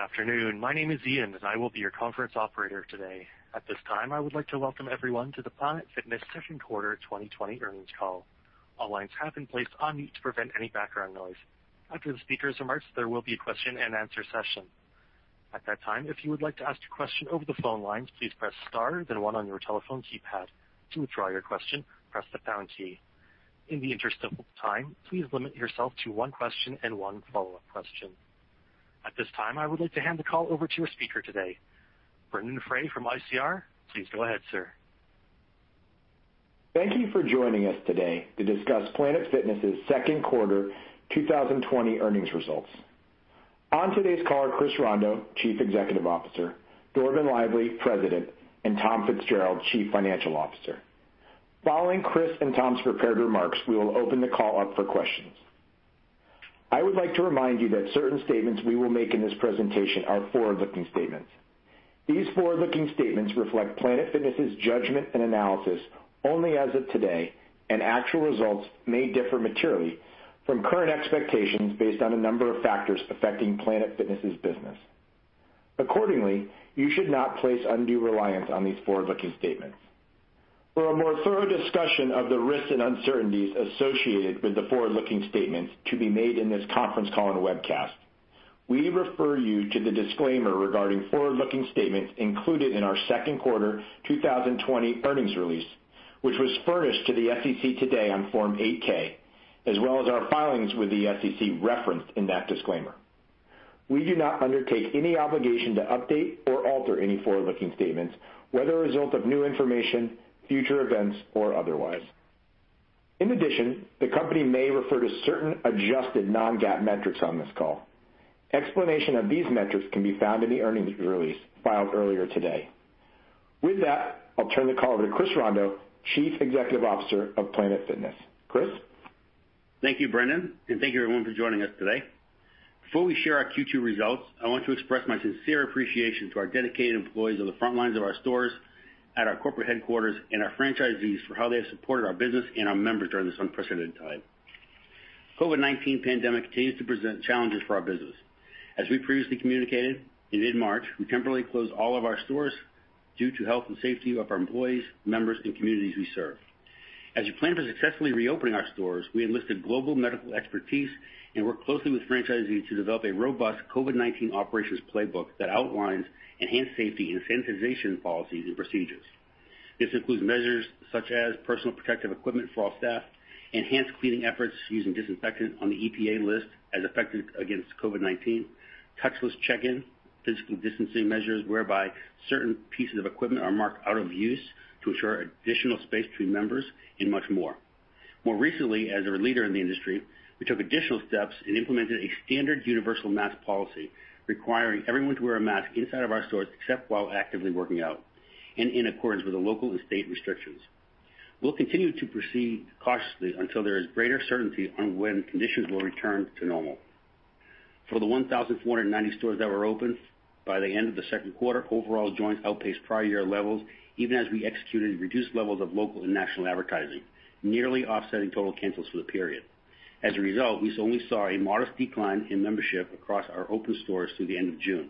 Good afternoon. My name is Ian, and I will be your conference operator today. At this time, I would like to welcome everyone to the Planet Fitness Q2 2020 earnings call. All lines have been placed on mute to prevent any background noise. After the speaker's remarks, there will be a question and answer session. At that time, if you would like to ask a question over the phone lines, please press star then one on your telephone keypad. To withdraw your question, press the pound key. In the interest of time, please limit yourself to one question and one follow-up question. At this time, I would like to hand the call over to our speaker today, Brendon Frey from ICR. Please go ahead, sir. Thank you for joining us today to discuss Planet Fitness' Q2 2020 earnings results. On today's call are Chris Rondeau, Chief Executive Officer, Dorvin Lively, President, and Tom Fitzgerald, Chief Financial Officer. Following Chris and Tom's prepared remarks, we will open the call up for questions. I would like to remind you that certain statements we will make in this presentation are forward-looking statements. These forward-looking statements reflect Planet Fitness' judgment and analysis only as of today, and actual results may differ materially from current expectations based on a number of factors affecting Planet Fitness' business. Accordingly, you should not place undue reliance on these forward-looking statements. For a more thorough discussion of the risks and uncertainties associated with the forward-looking statements to be made in this conference call and webcast, we refer you to the disclaimer regarding forward-looking statements included in our Q2 2020 earnings release, which was furnished to the SEC today on Form 8-K, as well as our filings with the SEC referenced in that disclaimer. We do not undertake any obligation to update or alter any forward-looking statements, whether a result of new information, future events, or otherwise. In addition, the company may refer to certain adjusted non-GAAP metrics on this call. Explanation of these metrics can be found in the earnings release filed earlier today. With that, I'll turn the call over to Chris Rondeau, Chief Executive Officer of Planet Fitness. Chris? Thank you, Brendon, and thank you everyone for joining us today. Before we share our Q2 results, I want to express my sincere appreciation to our dedicated employees on the front lines of our stores, at our corporate headquarters, and our franchisees for how they have supported our business and our members during this unprecedented time. COVID-19 pandemic continues to present challenges for our business. As we previously communicated, in mid-March, we temporarily closed all of our stores due to health and safety of our employees, members, and communities we serve. As we planned for successfully reopening our stores, we enlisted global medical expertise and worked closely with franchisees to develop a robust COVID-19 operations playbook that outlines enhanced safety and sanitization policies and procedures. This includes measures such as personal protective equipment for all staff, enhanced cleaning efforts using disinfectant on the EPA list as effective against COVID-19, touchless check-in, physical distancing measures whereby certain pieces of equipment are marked out of use to ensure additional space between members, and much more. More recently, as a leader in the industry, we took additional steps and implemented a standard universal mask policy requiring everyone to wear a mask inside of our stores except while actively working out and in accordance with the local and state restrictions. We'll continue to proceed cautiously until there is greater certainty on when conditions will return to normal. For the 1,490 stores that were open by the end of the Q2, overall joins outpaced prior year levels, even as we executed reduced levels of local and national advertising, nearly offsetting total cancels for the period. As a result, we only saw a modest decline in membership across our open stores through the end of June.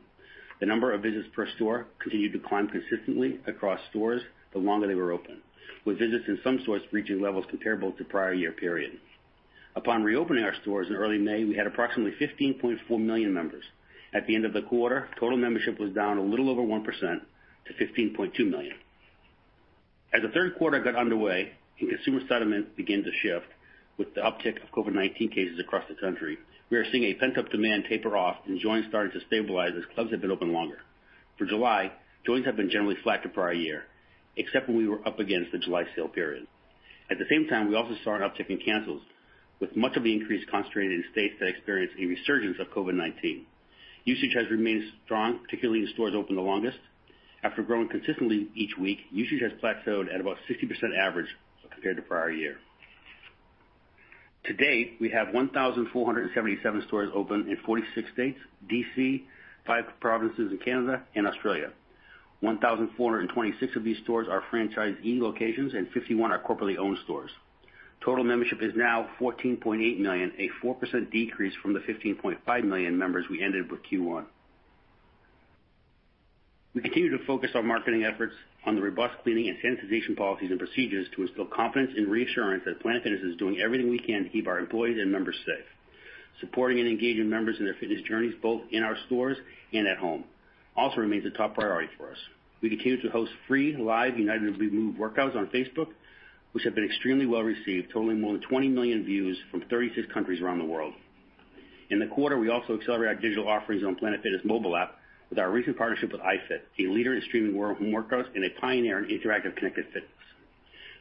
The number of visits per store continued to climb consistently across stores the longer they were open, with visits in some stores reaching levels comparable to prior year period. Upon reopening our stores in early May, we had approximately 15.4 million members. At the end of the quarter, total membership was down a little over 1% to 15.2 million. As the Q3 got underway and consumer sentiment began to shift with the uptick of COVID-19 cases across the country, we are seeing a pent-up demand taper off and joins starting to stabilize as clubs have been open longer. For July, joins have been generally flat to prior year, except when we were up against the July sale period. At the same time, we also saw an uptick in cancels, with much of the increase concentrated in states that experienced a resurgence of COVID-19. Usage has remained strong, particularly in stores open the longest. After growing consistently each week, usage has plateaued at about 60% average compared to prior year. To date, we have 1,477 stores open in 46 states, D.C., five provinces in Canada, and Australia. 1,426 of these stores are franchisee locations, and 51 are corporately owned stores. Total membership is now 14.8 million, a 4% decrease from the 15.5 million members we ended with Q1. We continue to focus our marketing efforts on the robust cleaning and sanitization policies and procedures to instill confidence and reassurance that Planet Fitness is doing everything we can to keep our employees and members safe. Supporting and engaging members in their fitness journeys, both in our stores and at home, also remains a top priority for us. We continue to host free live United We Move workouts on Facebook, which have been extremely well-received, totaling more than 20 million views from 36 countries around the world. In the quarter, we also accelerated our digital offerings on Planet Fitness App with our recent partnership with iFIT, a leader in streaming home workouts and a pioneer in interactive connected fitness.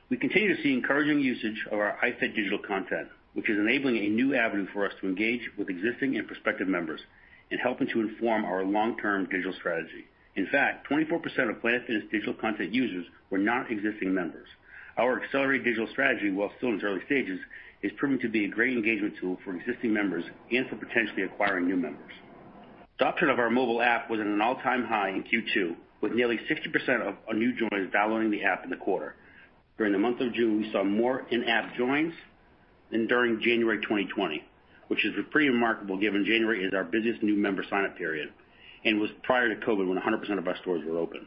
We continue to see encouraging usage of our iFIT digital content, which is enabling a new avenue for us to engage with existing and prospective members in helping to inform our long-term digital strategy. In fact, 24% of Planet Fitness digital content users were not existing members. Our accelerated digital strategy, while still in its early stages, is proving to be a great engagement tool for existing members and for potentially acquiring new members. Adoption of our mobile app was at an all-time high in Q2, with nearly 60% of new joins downloading the app in the quarter. During the month of June, we saw more in-app joins than during January 2020, which is pretty remarkable given January is our busiest new member sign-up period, and was prior to COVID when 100% of our stores were open.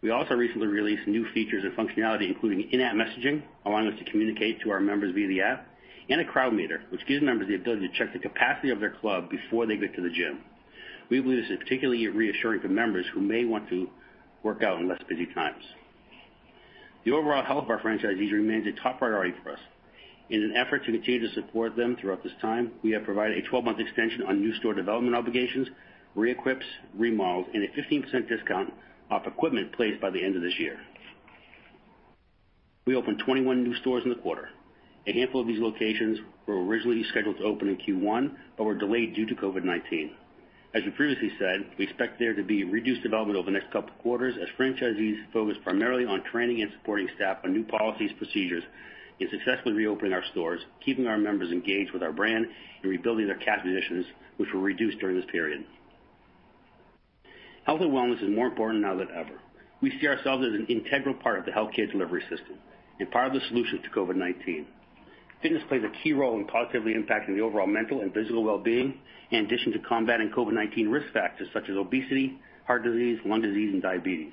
We also recently released new features and functionality, including in-app messaging, allowing us to communicate to our members via the app, and a Crowd Meter, which gives members the ability to check the capacity of their club before they get to the gym. We believe this is particularly reassuring for members who may want to work out in less busy times. The overall health of our franchisees remains a top priority for us. In an effort to continue to support them throughout this time, we have provided a 12-month extension on new store development obligations, re-equips, remodels, and a 15% discount off equipment placed by the end of this year. We opened 21 new stores in the quarter. A handful of these locations were originally scheduled to open in Q1 but were delayed due to COVID-19. As we previously said, we expect there to be reduced development over the next couple of quarters as franchisees focus primarily on training and supporting staff on new policies, procedures, and successfully reopening our stores, keeping our members engaged with our brand, and rebuilding their cash positions, which were reduced during this period. Health and wellness is more important now than ever. We see ourselves as an integral part of the healthcare delivery system and part of the solution to COVID-19. Fitness plays a key role in positively impacting the overall mental and physical well-being, in addition to combating COVID-19 risk factors such as obesity, heart disease, lung disease, and diabetes.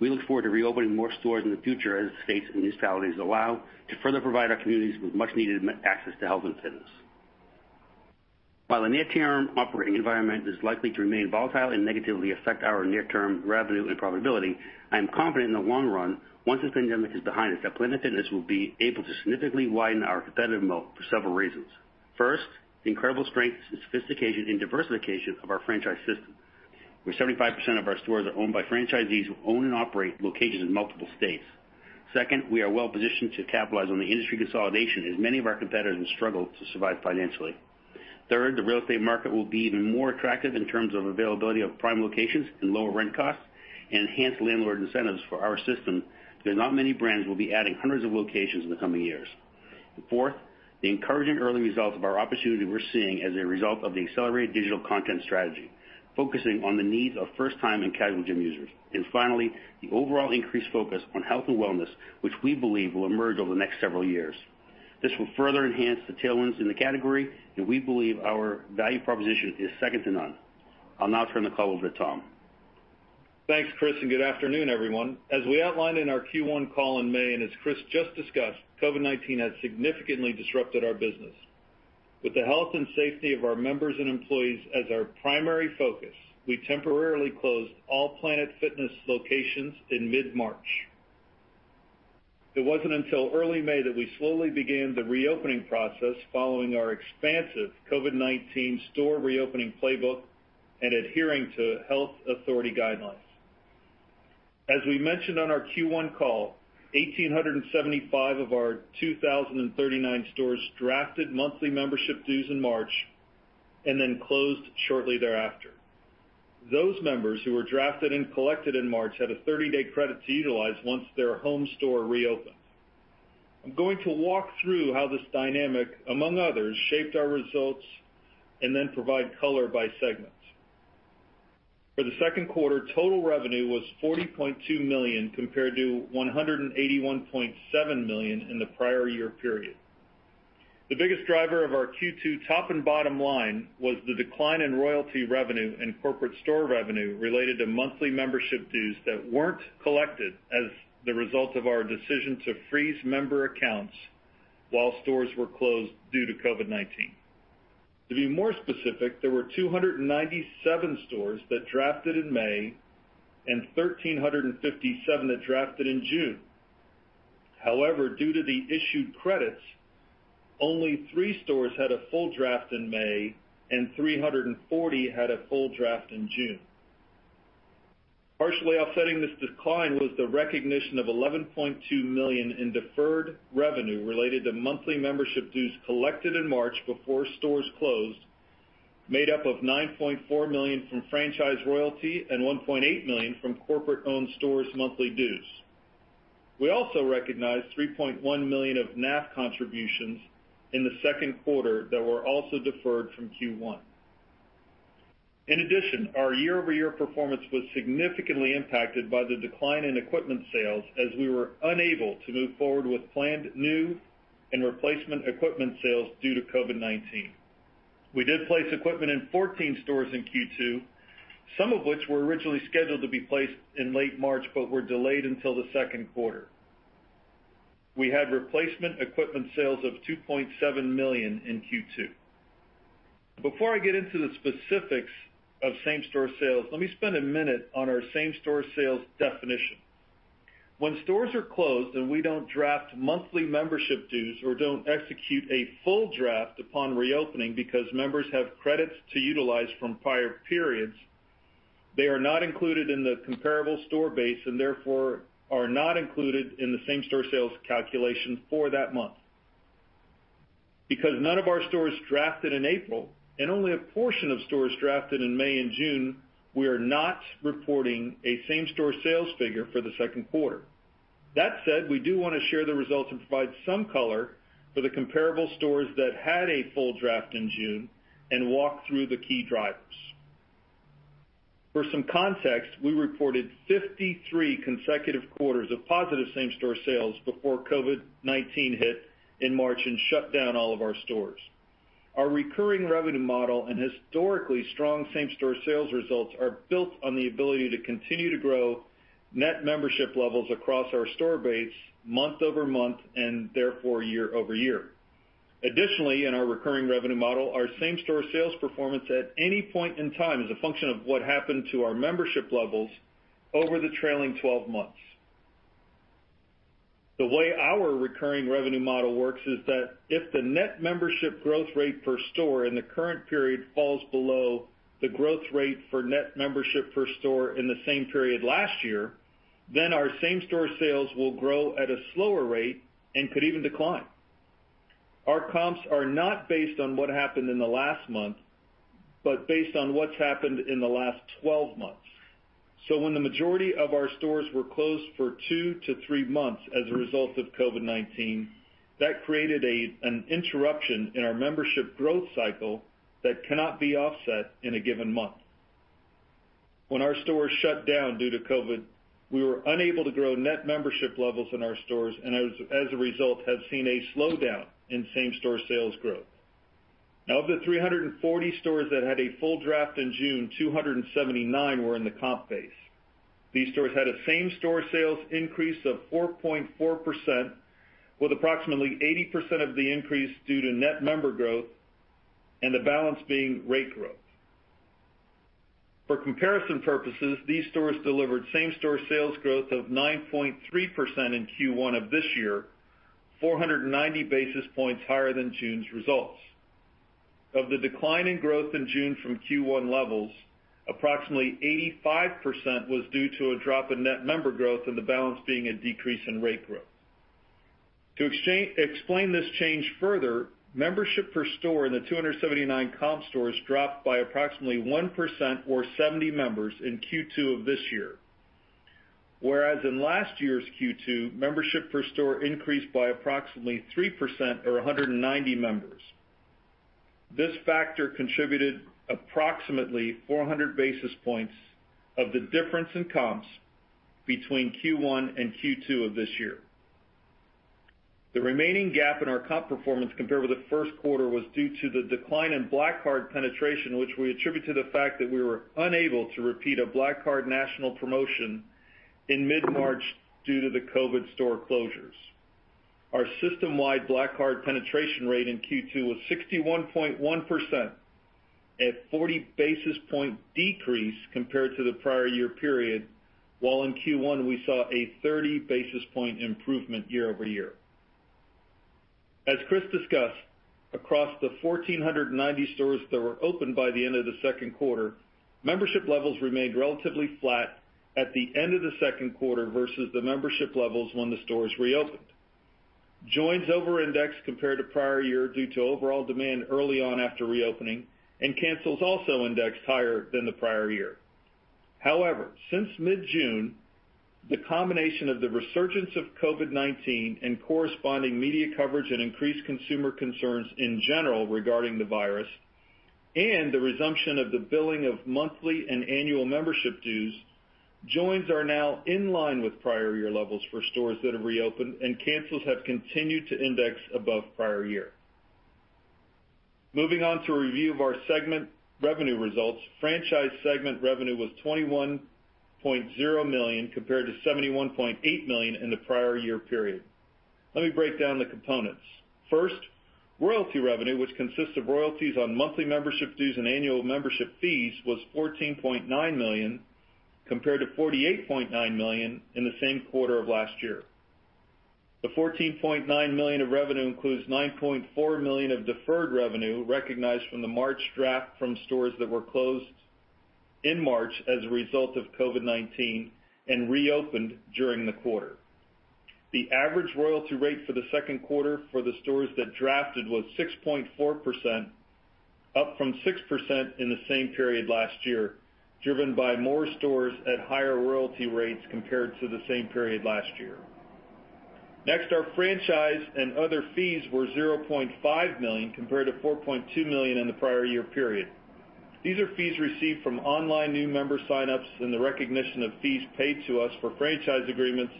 We look forward to reopening more stores in the future as states and municipalities allow to further provide our communities with much-needed access to health and fitness. While the near-term operating environment is likely to remain volatile and negatively affect our near-term revenue and profitability, I am confident in the long run, once this pandemic is behind us, that Planet Fitness will be able to significantly widen our competitive moat for several reasons. First, the incredible strength, sophistication, and diversification of our franchise system, where 75% of our stores are owned by franchisees who own and operate locations in multiple states. Second, we are well-positioned to capitalize on the industry consolidation as many of our competitors struggle to survive financially. Third, the real estate market will be even more attractive in terms of availability of prime locations and lower rent costs, and enhanced landlord incentives for our system, because not many brands will be adding hundreds of locations in the coming years. Fourth, the encouraging early results of our opportunity we're seeing as a result of the accelerated digital content strategy, focusing on the needs of first-time and casual gym users. Finally, the overall increased focus on health and wellness, which we believe will emerge over the next several years. This will further enhance the tailwinds in the category, and we believe our value proposition is second to none. I'll now turn the call over to Tom. Thanks, Chris, and good afternoon, everyone. As we outlined in our Q1 call in May, and as Chris just discussed, COVID-19 has significantly disrupted our business. With the health and safety of our members and employees as our primary focus, we temporarily closed all Planet Fitness locations in mid-March. It wasn't until early May that we slowly began the reopening process following our expansive COVID-19 store reopening playbook and adhering to health authority guidelines. As we mentioned on our Q1 call, 1,875 of our 2,039 stores drafted monthly membership dues in March and then closed shortly thereafter. Those members who were drafted and collected in March had a 30-day credit to utilize once their home store reopened. I'm going to walk through how this dynamic, among others, shaped our results, and then provide color by segment. For the Q2, total revenue was $40.2 million compared to $181.7 million in the prior year period. The biggest driver of our Q2 top and bottom line was the decline in royalty revenue and corporate store revenue related to monthly membership dues that weren't collected as the result of our decision to freeze member accounts while stores were closed due to COVID-19. To be more specific, there were 297 stores that drafted in May and 1,357 that drafted in June. However, due to the issued credits, only three stores had a full draft in May and 340 had a full draft in June. Partially offsetting this decline was the recognition of $11.2 million in deferred revenue related to monthly membership dues collected in March before stores closed, made up of $9.4 million from franchise royalty and $1.8 million from corporate-owned stores' monthly dues. We also recognized $3.1 million of NAF contributions in the Q2 that were also deferred from Q1. In addition, our year-over-year performance was significantly impacted by the decline in equipment sales as we were unable to move forward with planned new and replacement equipment sales due to COVID-19. We did place equipment in 14 stores in Q2, some of which were originally scheduled to be placed in late March but were delayed until the Q2. We had replacement equipment sales of $2.7 million in Q2. Before I get into the specifics of same-store sales, let me spend a minute on our same-store sales definition. When stores are closed and we don't draft monthly membership dues or don't execute a full draft upon reopening because members have credits to utilize from prior periods, they are not included in the comparable store base and therefore are not included in the same-store sales calculation for that month. Because none of our stores drafted in April and only a portion of stores drafted in May and June, we are not reporting a same-store sales figure for the Q2. That said, we do want to share the results and provide some color for the comparable stores that had a full draft in June and walk through the key drivers. For some context, we reported 53 consecutive quarters of positive same-store sales before COVID-19 hit in March and shut down all of our stores. Our recurring revenue model and historically strong same store sales results are built on the ability to continue to grow net membership levels across our store base month-over-month, and therefore, year-over-year. Additionally, in our recurring revenue model, our same store sales performance at any point in time is a function of what happened to our membership levels over the trailing 12 months. The way our recurring revenue model works is that if the net membership growth rate per store in the current period falls below the growth rate for net membership per store in the same period last year, then our same store sales will grow at a slower rate and could even decline. Our comps are not based on what happened in the last month, but based on what's happened in the last 12 months. When the majority of our stores were closed for two to three months as a result of COVID-19, that created an interruption in our membership growth cycle that cannot be offset in a given month. When our stores shut down due to COVID, we were unable to grow net membership levels in our stores, and as a result, have seen a slowdown in same-store sales growth. Of the 340 stores that had a full draft in June, 279 were in the comp base. These stores had a same-store sales increase of 4.4%, with approximately 80% of the increase due to net member growth and the balance being rate growth. For comparison purposes, these stores delivered same-store sales growth of 9.3% in Q1 of this year, 490 basis points higher than June's results. Of the decline in growth in June from Q1 levels, approximately 85% was due to a drop in net member growth, and the balance being a decrease in rate growth. To explain this change further, membership per store in the 279 comp stores dropped by approximately 1%, or 70 members, in Q2 of this year, whereas in last year's Q2, membership per store increased by approximately 3%, or 190 members. This factor contributed approximately 400 basis points of the difference in comps between Q1 and Q2 of this year. The remaining gap in our comp performance compared with the Q1 was due to the decline in Black Card penetration, which we attribute to the fact that we were unable to repeat a Black Card national promotion in mid-March due to the COVID-19 store closures. Our system-wide Black Card penetration rate in Q2 was 61.1%, a 40 basis points decrease compared to the prior year period, while in Q1 we saw a 30 basis points improvement year-over-year. As Chris discussed, across the 1,490 stores that were open by the end of the Q2, membership levels remained relatively flat at the end of the Q2 versus the membership levels when the stores reopened. Joins over-indexed compared to prior year due to overall demand early on after reopening, and cancels also indexed higher than the prior year. However, since mid-June, the combination of the resurgence of COVID-19 and corresponding media coverage and increased consumer concerns in general regarding the virus, and the resumption of the billing of monthly and annual membership dues, joins are now in line with prior-year levels for stores that have reopened, and cancels have continued to index above prior year. Moving on to a review of our segment revenue results. Franchise segment revenue was $21.0 million, compared to $71.8 million in the prior-year period. Let me break down the components. First, royalty revenue, which consists of royalties on monthly membership dues and annual membership fees, was $14.9 million, compared to $48.9 million in the same quarter of last year. The $14.9 million of revenue includes $9.4 million of deferred revenue recognized from the March draft from stores that were closed in March as a result of COVID-19 and reopened during the quarter. The average royalty rate for the Q2 for the stores that drafted was 6.4%, up from 6% in the same period last year, driven by more stores at higher royalty rates compared to the same period last year. Our franchise and other fees were $0.5 million, compared to $4.2 million in the prior year period. These are fees received from online new member sign-ups and the recognition of fees paid to us for franchise agreements,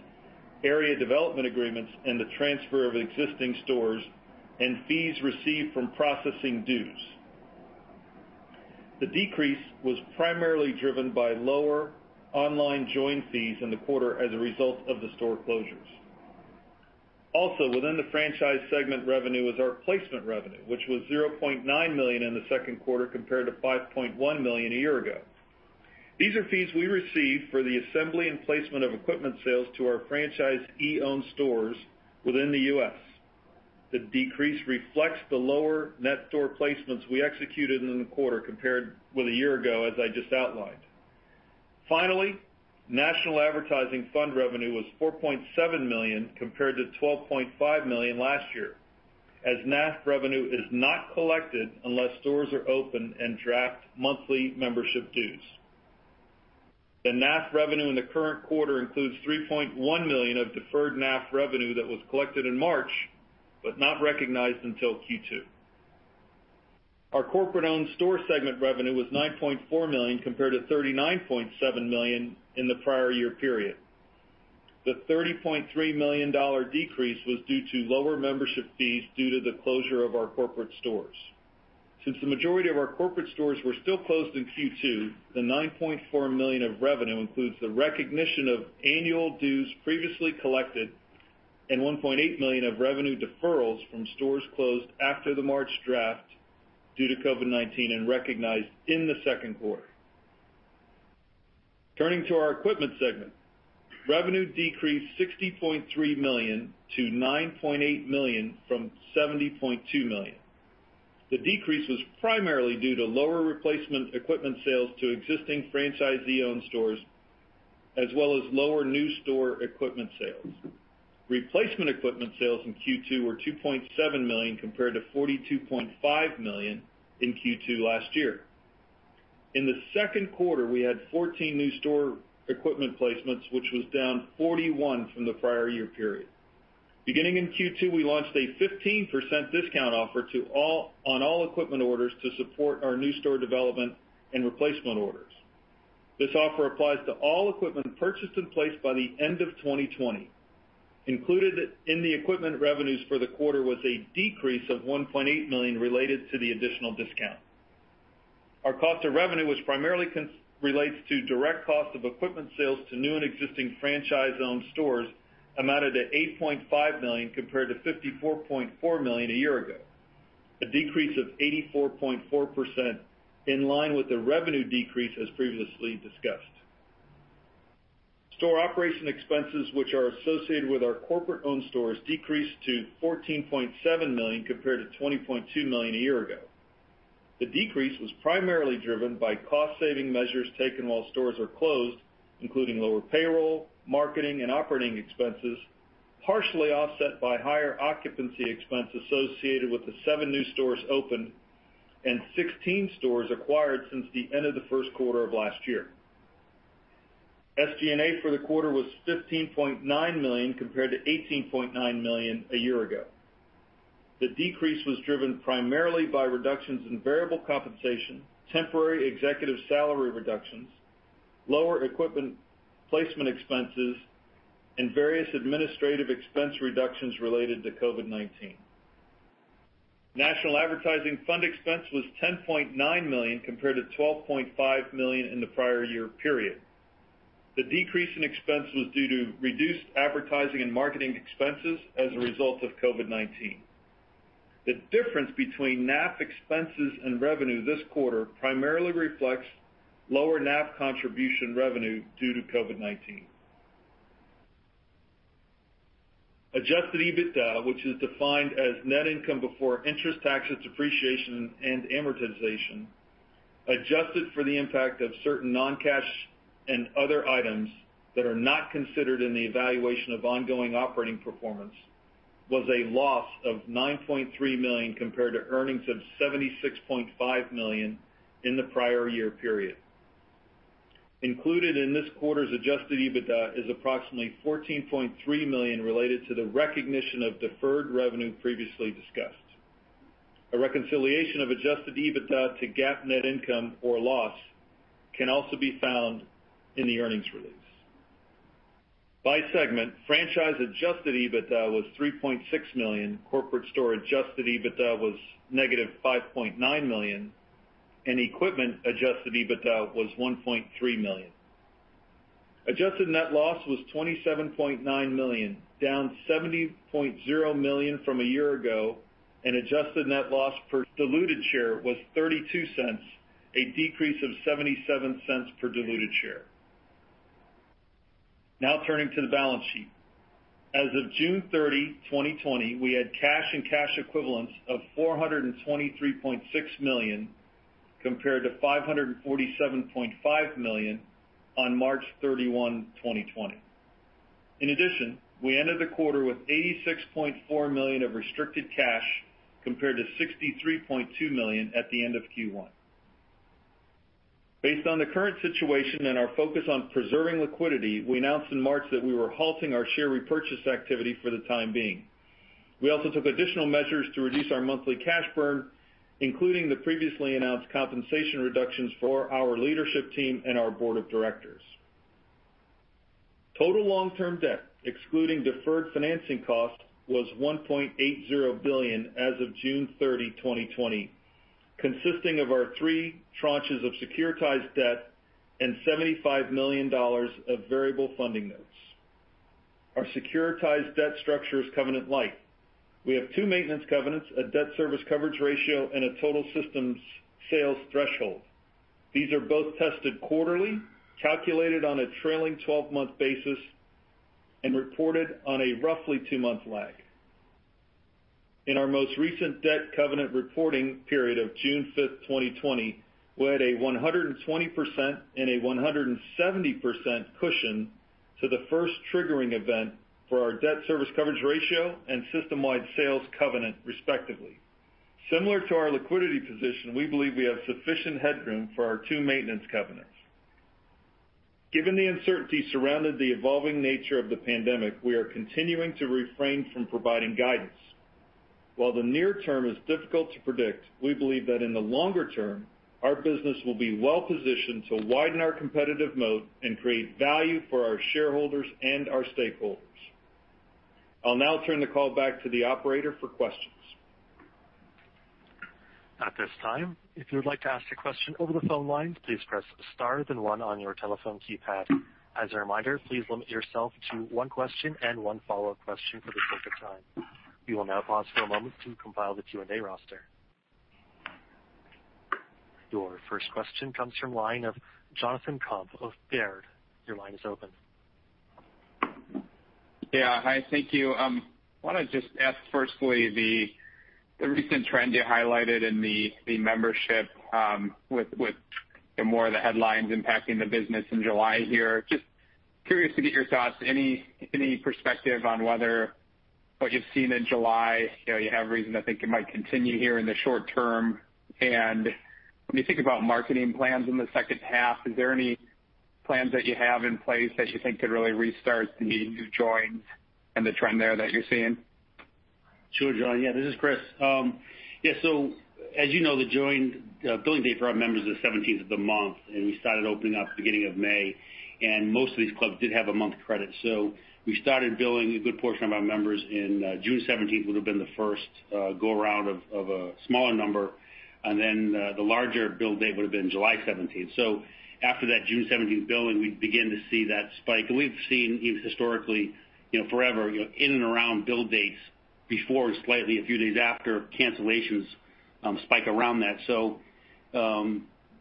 area development agreements, and the transfer of existing stores, and fees received from processing dues. The decrease was primarily driven by lower online join fees in the quarter as a result of the store closures. Also within the franchise segment revenue is our placement revenue, which was $0.9 million in the Q2, compared to $5.1 million a year ago. These are fees we receive for the assembly and placement of equipment sales to our franchisee-owned stores within the U.S. The decrease reflects the lower net store placements we executed in the quarter compared with a year ago, as I just outlined. Finally, National Advertising Fund revenue was $4.7 million, compared to $12.5 million last year, as NAF revenue is not collected unless stores are open and draft monthly membership dues. The NAF revenue in the current quarter includes $3.1 million of deferred NAF revenue that was collected in March but not recognized until Q2. Our corporate-owned store segment revenue was $9.4 million compared to $39.7 million in the prior year period. The $30.3 million decrease was due to lower membership fees due to the closure of our corporate stores. Since the majority of our corporate stores were still closed in Q2, the $9.4 million of revenue includes the recognition of annual dues previously collected and $1.8 million of revenue deferrals from stores closed after the March draft due to COVID-19 and recognized in the Q2. Turning to our equipment segment. Revenue decreased $60.3 million-$9.8 million from $70.2 million. The decrease was primarily due to lower replacement equipment sales to existing franchisee-owned stores, as well as lower new store equipment sales. Replacement equipment sales in Q2 were $2.7 million, compared to $42.5 million in Q2 last year. In the Q2, we had 14 new store equipment placements, which was down 41 from the prior year period. Beginning in Q2, we launched a 15% discount offer on all equipment orders to support our new store development and replacement orders. This offer applies to all equipment purchased and placed by the end of 2020. Included in the equipment revenues for the quarter was a decrease of $1.8 million related to the additional discount. Our cost of revenue, which primarily relates to direct cost of equipment sales to new and existing franchise-owned stores, amounted to $8.5 million compared to $54.4 million a year ago. A decrease of 84.4% in line with the revenue decrease as previously discussed. Store operation expenses, which are associated with our corporate-owned stores, decreased to $14.7 million compared to $20.2 million a year ago. The decrease was primarily driven by cost-saving measures taken while stores are closed, including lower payroll, marketing, and operating expenses, partially offset by higher occupancy expense associated with the seven new stores opened and 16 stores acquired since the end of the Q1 of last year. SG&A for the quarter was $15.9 million compared to $18.9 million a year ago. The decrease was driven primarily by reductions in variable compensation, temporary executive salary reductions, lower equipment placement expenses, and various administrative expense reductions related to COVID-19. National Advertising Fund expense was $10.9 million compared to $12.5 million in the prior year period. The decrease in expense was due to reduced advertising and marketing expenses as a result of COVID-19. The difference between NAF expenses and revenue this quarter primarily reflects lower NAF contribution revenue due to COVID-19. Adjusted EBITDA, which is defined as net income before interest, taxes, depreciation, and amortization, adjusted for the impact of certain non-cash and other items that are not considered in the evaluation of ongoing operating performance, was a loss of $9.3 million compared to earnings of $76.5 million in the prior year period. Included in this quarter's adjusted EBITDA is approximately $14.3 million related to the recognition of deferred revenue previously discussed. A reconciliation of adjusted EBITDA to GAAP net income or loss can also be found in the earnings release. By segment, franchise adjusted EBITDA was $3.6 million, corporate store adjusted EBITDA was negative $5.9 million, and equipment adjusted EBITDA was $1.3 million. Adjusted net loss was $27.9 million, down $70.0 million from a year ago, and adjusted net loss per diluted share was $0.32, a decrease of $0.77 per diluted share. Turning to the balance sheet. As of June 30th, 2020, we had cash and cash equivalents of $423.6 million, compared to $547.5 million on March 31st, 2020. In addition, we ended the quarter with $86.4 million of restricted cash, compared to $63.2 million at the end of Q1. Based on the current situation and our focus on preserving liquidity, we announced in March that we were halting our share repurchase activity for the time being. We also took additional measures to reduce our monthly cash burn, including the previously announced compensation reductions for our leadership team and our board of directors. Total long-term debt, excluding deferred financing costs, was $1.80 billion as of June 30th, 2020, consisting of our three tranches of securitized debt and $75 million of variable funding notes. Our securitized debt structure is covenant-lite. We have two maintenance covenants, a debt service coverage ratio, and a total systems sales threshold. These are both tested quarterly, calculated on a trailing 12-month basis, and reported on a roughly two-month lag. In our most recent debt covenant reporting period of June 5th, 2020, we had a 120% and a 170% cushion to the first triggering event for our debt service coverage ratio and system-wide sales covenant, respectively. Similar to our liquidity position, we believe we have sufficient headroom for our two maintenance covenants. Given the uncertainty surrounding the evolving nature of the pandemic, we are continuing to refrain from providing guidance. While the near term is difficult to predict, we believe that in the longer term, our business will be well-positioned to widen our competitive moat and create value for our shareholders and our stakeholders. I'll now turn the call back to the operator for questions. At this time, if you would like to ask a question over the phone lines, please press star then one on your telephone keypad. As a reminder, please limit yourself to one question and one follow-up question for the sake of time. We will now pause for a moment to compile the Q&A roster. Your first question comes from the line of Jonathan Komp of Baird. Your line is open. Yeah. Hi, thank you. I want to just ask, firstly, the recent trend you highlighted in the membership, with more of the headlines impacting the business in July here. Just curious to get your thoughts. Any perspective on whether what you've seen in July, you have reason to think it might continue here in the short term? When you think about marketing plans in the H2, is there any plans that you have in place that you think could really restart the new joins and the trend there that you're seeing? Sure, John. This is Chris. As you know, the billing date for our members is the 17th of the month, and we started opening up beginning of May, and most of these clubs did have a month credit. We started billing a good portion of our members in June 17th would've been the first go-around of a smaller number, and then the larger bill date would've been July 17th. After that June 17th billing, we begin to see that spike. We've seen historically, forever, in and around bill dates, before and slightly a few days after, cancellations spike around that.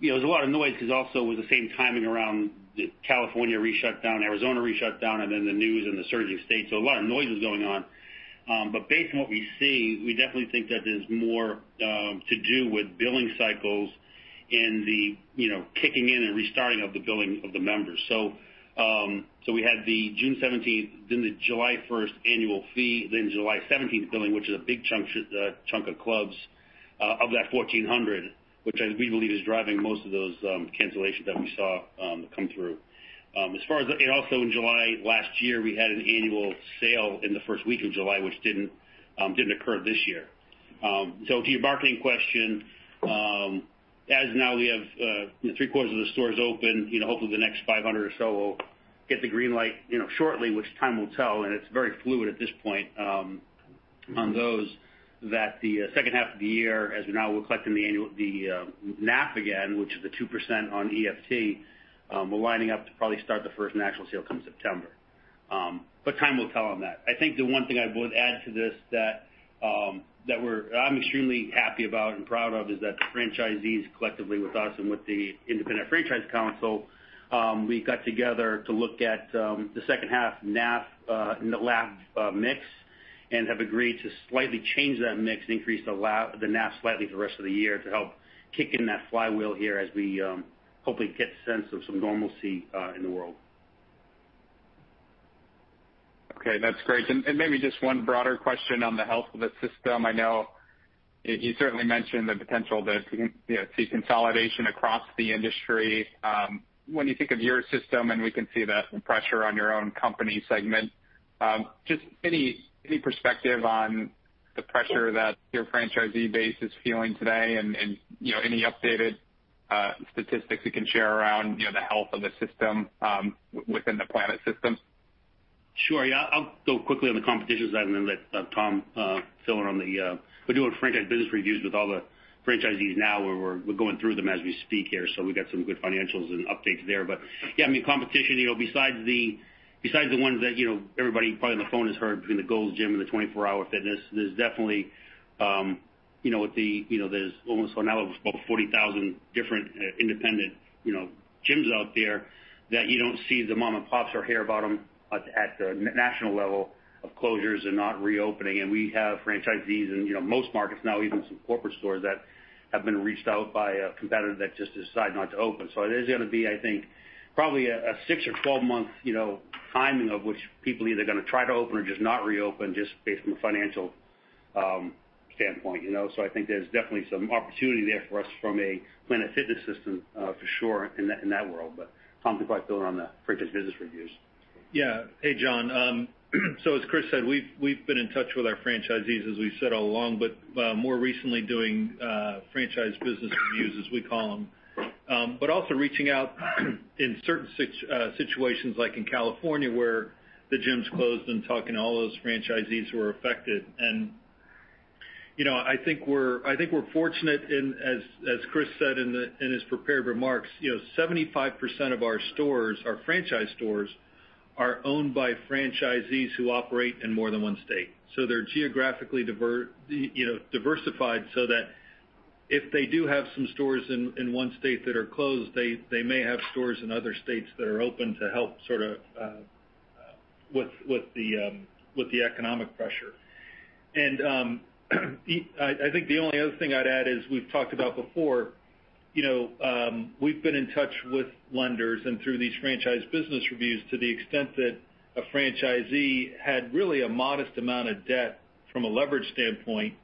There's a lot of noise because also with the same timing around the California re-shutdown, Arizona re-shutdown, and then the news and the surging states. A lot of noise is going on. Based on what we see, we definitely think that there's more to do with billing cycles and the kicking in and restarting of the billing of the members. We had the June 17th, then the July 1st annual fee, then July 17th billing, which is a big chunk of clubs of that 1,400, which we believe is driving most of those cancellations that we saw come through. Also in July last year, we had an annual sale in the first week of July, which didn't occur this year. To your marketing question, as of now, we have three-quarters of the stores open. Hopefully, the next 500 or so will get the green light shortly, which time will tell, and it's very fluid at this point on those that the H2 of the year, as of now, we're collecting the NAF again, which is the 2% on EFT. We're lining up to probably start the first national sale come September. Time will tell on that. I think the one thing I would add to this that I'm extremely happy about and proud of is that the franchisees collectively with us and with the Independent Franchise Council, we got together to look at the H2 NAF and the LAF mix and have agreed to slightly change that mix and increase the NAF slightly for the rest of the year to help kick in that flywheel here as we hopefully get a sense of some normalcy in the world. Okay, that's great. Maybe just one broader question on the health of the system. I know you certainly mentioned the potential to see consolidation across the industry. When you think of your system, and we can see the pressure on your own company segment, just any perspective on the pressure that your franchisee base is feeling today and any updated statistics you can share around the health of the system within the Planet system? Sure. I'll go quickly on the competitions and then let Tom fill in on the. We're doing franchise business reviews with all the franchisees now. We're going through them as we speak here, so we've got some good financials and updates there. Competition, besides the ones that everybody probably on the phone has heard between the Gold's Gym and the 24 Hour Fitness, there's almost now about 40,000 different independent gyms out there that you don't see the mom and pops or hear about them at the national level of closures or not reopening. We have franchisees in most markets now, even some corporate stores, that have been reached out by a competitor that just decided not to open. It is going to be, I think, probably a six or 12-month timing of which people are either going to try to open or just not reopen, just based on a financial standpoint. I think there's definitely some opportunity there for us from a Planet Fitness system, for sure, in that world. Tom can probably build on the franchise business reviews. Yeah. Hey, John. As Chris said, we've been in touch with our franchisees, as we said all along, but more recently doing franchise business reviews, as we call them. Also reaching out in certain situations like in California where the gyms closed and talking to all those franchisees who are affected. I think we're fortunate in, as Chris said in his prepared remarks, 75% of our stores, our franchise stores, are owned by franchisees who operate in more than one state. They're geographically diversified so that if they do have some stores in one state that are closed, they may have stores in other states that are open to help sort of with the economic pressure. I think the only other thing I'd add is we've talked about before, we've been in touch with lenders and through these franchise business reviews to the extent that a franchisee had really a modest amount of debt from a leverage standpoint,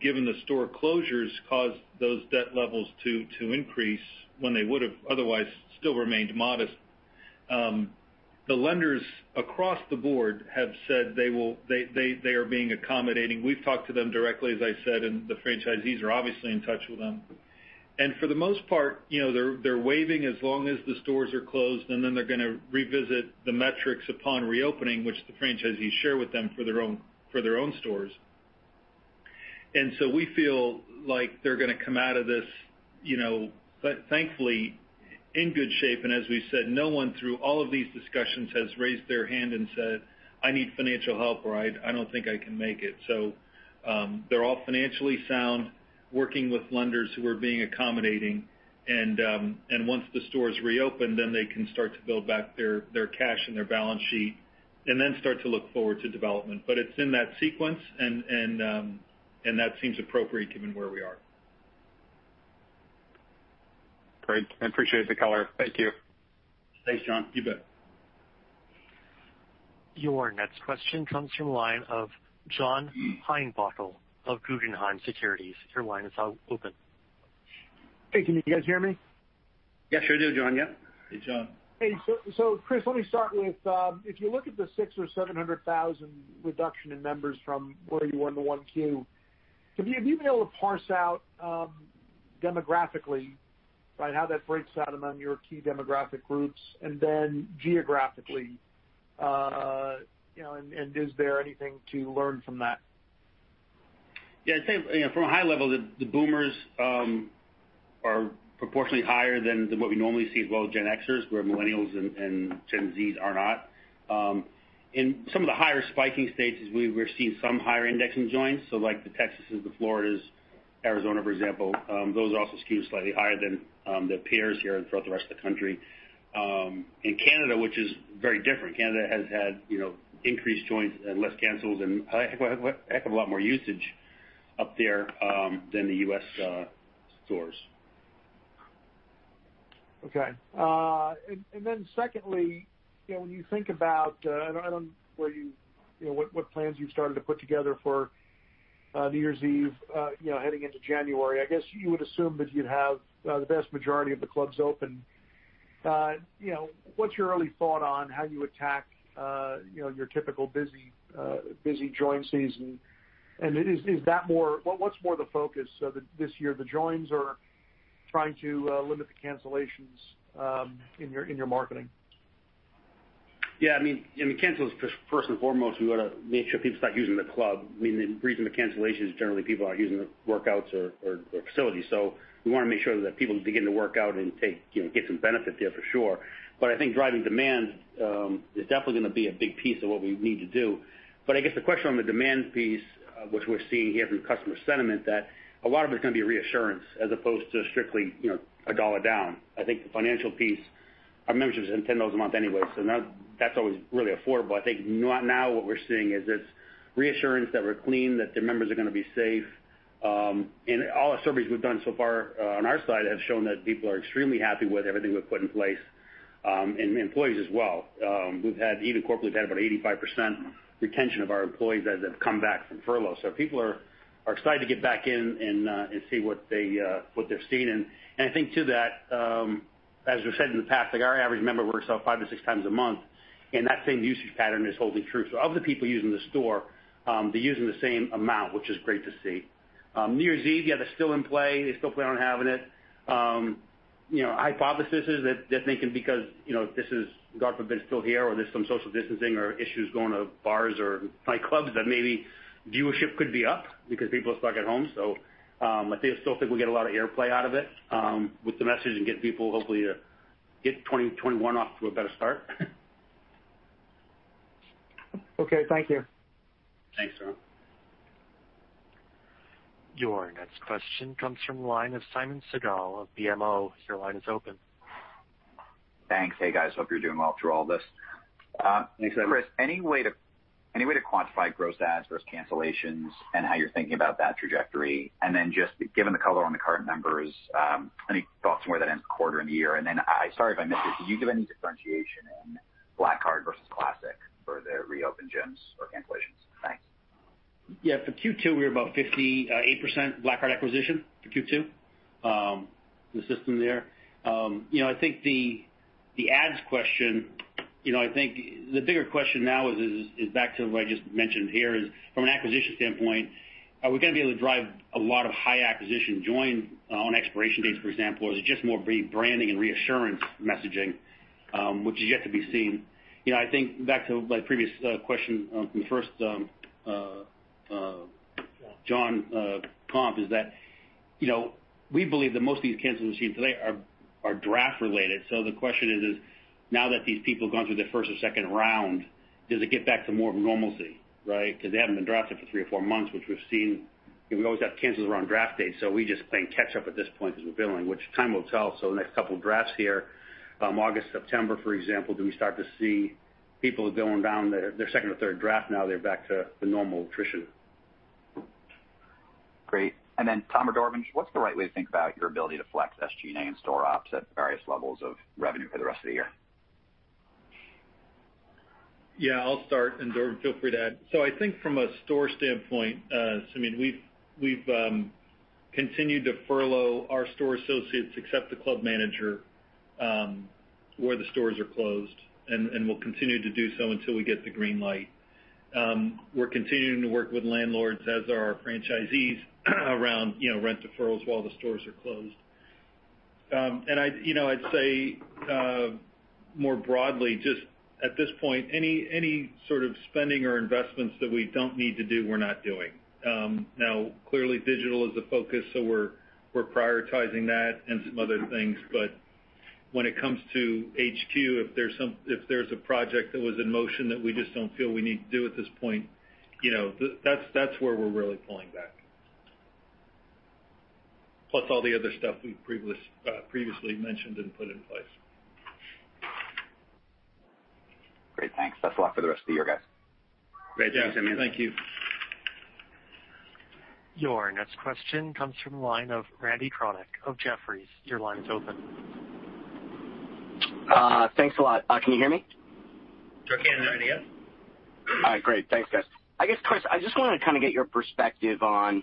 given the store closures caused those debt levels to increase when they would have otherwise still remained modest. The lenders across the board have said they are being accommodating. We've talked to them directly, as I said, and the franchisees are obviously in touch with them. For the most part, they're waiving as long as the stores are closed, and then they're going to revisit the metrics upon reopening, which the franchisees share with them for their own stores. We feel like they're going to come out of this, but thankfully, in good shape. As we've said, no one through all of these discussions has raised their hand and said, "I need financial help" or, "I don't think I can make it." They're all financially sound, working with lenders who are being accommodating and once the stores reopen, then they can start to build back their cash and their balance sheet and then start to look forward to development. It's in that sequence and that seems appropriate given where we are. Great. I appreciate the color. Thank you. Thanks, John. You bet. Your next question comes from the line of John Heinbockel of Guggenheim Securities. Your line is now open. Hey, can you guys hear me? Yes, sure do, John. Yep. Hey, John. Chris, let me start with, if you look at the six or 700,000 reduction in members from where you were in the 1Q, have you been able to parse out demographically, how that breaks out among your key demographic groups and then geographically? Is there anything to learn from that? I'd say from a high level, the Boomers are proportionally higher than what we normally see, as well as Gen Xers, where Millennials and Gen Zs are not. In some of the higher spiking states, we're seeing some higher index in joins. Like the Texas's, the Florida's, Arizona, for example, those also skew slightly higher than their peers here throughout the rest of the country. In Canada, which is very different, Canada has had increased joins and less cancels and a heck of a lot more usage up there than the U.S. stores. Okay. Secondly, when you think about what plans you've started to put together for New Year's Eve heading into January, I guess you would assume that you'd have the vast majority of the clubs open. What's your early thought on how you attack your typical busy join season, and what's more the focus this year, the joins or trying to limit the cancellations in your marketing? Yeah, cancels first and foremost, we want to make sure people start using the club. The reason the cancellation is generally people aren't using the workouts or facilities. We want to make sure that people begin to work out and get some benefit there for sure. I think driving demand is definitely going to be a big piece of what we need to do. I guess the question on the demand piece, which we're seeing here from customer sentiment, that a lot of it's going to be reassurance as opposed to strictly a dollar down. I think the financial piece, our membership's at $10 a month anyway, so that's always really affordable. I think now what we're seeing is this reassurance that we're clean, that the members are going to be safe. All our surveys we've done so far on our side have shown that people are extremely happy with everything we've put in place, and the employees as well. Even corporately, we've had about 85% retention of our employees as they've come back from furlough. People are excited to get back in and see what they're seeing. I think too that, as we've said in the past, our average member works out five to six times a month, and that same usage pattern is holding true. Of the people using the store, they're using the same amount, which is great to see. New Year's Eve, yeah, they're still in play. They still plan on having it. Hypothesis is that they're thinking because this is, government been still here or there's some social distancing or issues going to bars or nightclubs, that maybe viewership could be up because people are stuck at home. I still think we'll get a lot of airplay out of it with the message and get people hopefully to get 2021 off to a better start. Okay. Thank you. Thanks, John. Your next question comes from the line of Simeon Siegel of BMO. Your line is open. Thanks. Hey, guys. Hope you're doing well through all this. Thanks, Simeon. Chris, any way to quantify gross adds versus cancellations and how you're thinking about that trajectory? Just given the color on the current members, any thoughts more that ends the quarter and the year? Sorry if I missed it, do you give any differentiation in Black Card versus Classic for the reopened gyms or cancellations? Thanks. Yeah. For Q2, we were about 58% Black Card acquisition for Q2, the system there. I think the adds question, I think the bigger question now is back to what I just mentioned here is from an acquisition standpoint, are we going to be able to drive a lot of high acquisition join on expiration dates, for example, or is it just more rebranding and reassurance messaging, which is yet to be seen. I think back to my previous question from the first- Jon Komp is that we believe that most of these cancels we've seen today are draft related. The question is, now that these people have gone through their first or second round, does it get back to more of a normalcy, right? Because they haven't been drafted for three or four months, which we've seen. We always have cancels around draft day, we just playing catch up at this point as we're billing, which time will tell. The next couple of drafts here, August, September, for example, do we start to see people going down their second or third draft now they're back to the normal attrition. Great. Then Tom or Dorvin, what's the right way to think about your ability to flex SG&A and store ops at various levels of revenue for the rest of the year? Yeah, I'll start, and Dorvin, feel free to add. I think from a store standpoint, we've continued to furlough our store associates, except the club manager, where the stores are closed, and we'll continue to do so until we get the green light. We're continuing to work with landlords, as are our franchisees, around rent deferrals while the stores are closed. I'd say more broadly, just at this point, any sort of spending or investments that we don't need to do, we're not doing. Now, clearly digital is a focus, we're prioritizing that and some other things, when it comes to HQ, if there's a project that was in motion that we just don't feel we need to do at this point, that's where we're really pulling back. Plus all the other stuff we've previously mentioned and put in place. Great. Thanks. Best of luck for the rest of the year, guys. Great. Thanks, Simeon. Thank you. Your next question comes from the line of Randal Konik of Jefferies. Your line is open. Thanks a lot. Can you hear me? Sure can. How are you? All right, great. Thanks, guys. I guess, Chris, I just want to get your perspective on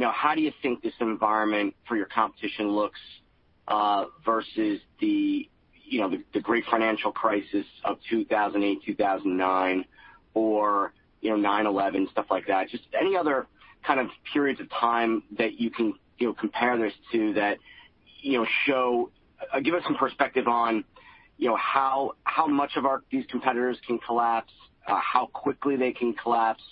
how do you think this environment for your competition looks versus the great financial crisis of 2008, 2009, or 9/11, stuff like that? Just any other kind of periods of time that you can compare this to that give us some perspective on how much of these competitors can collapse, how quickly they can collapse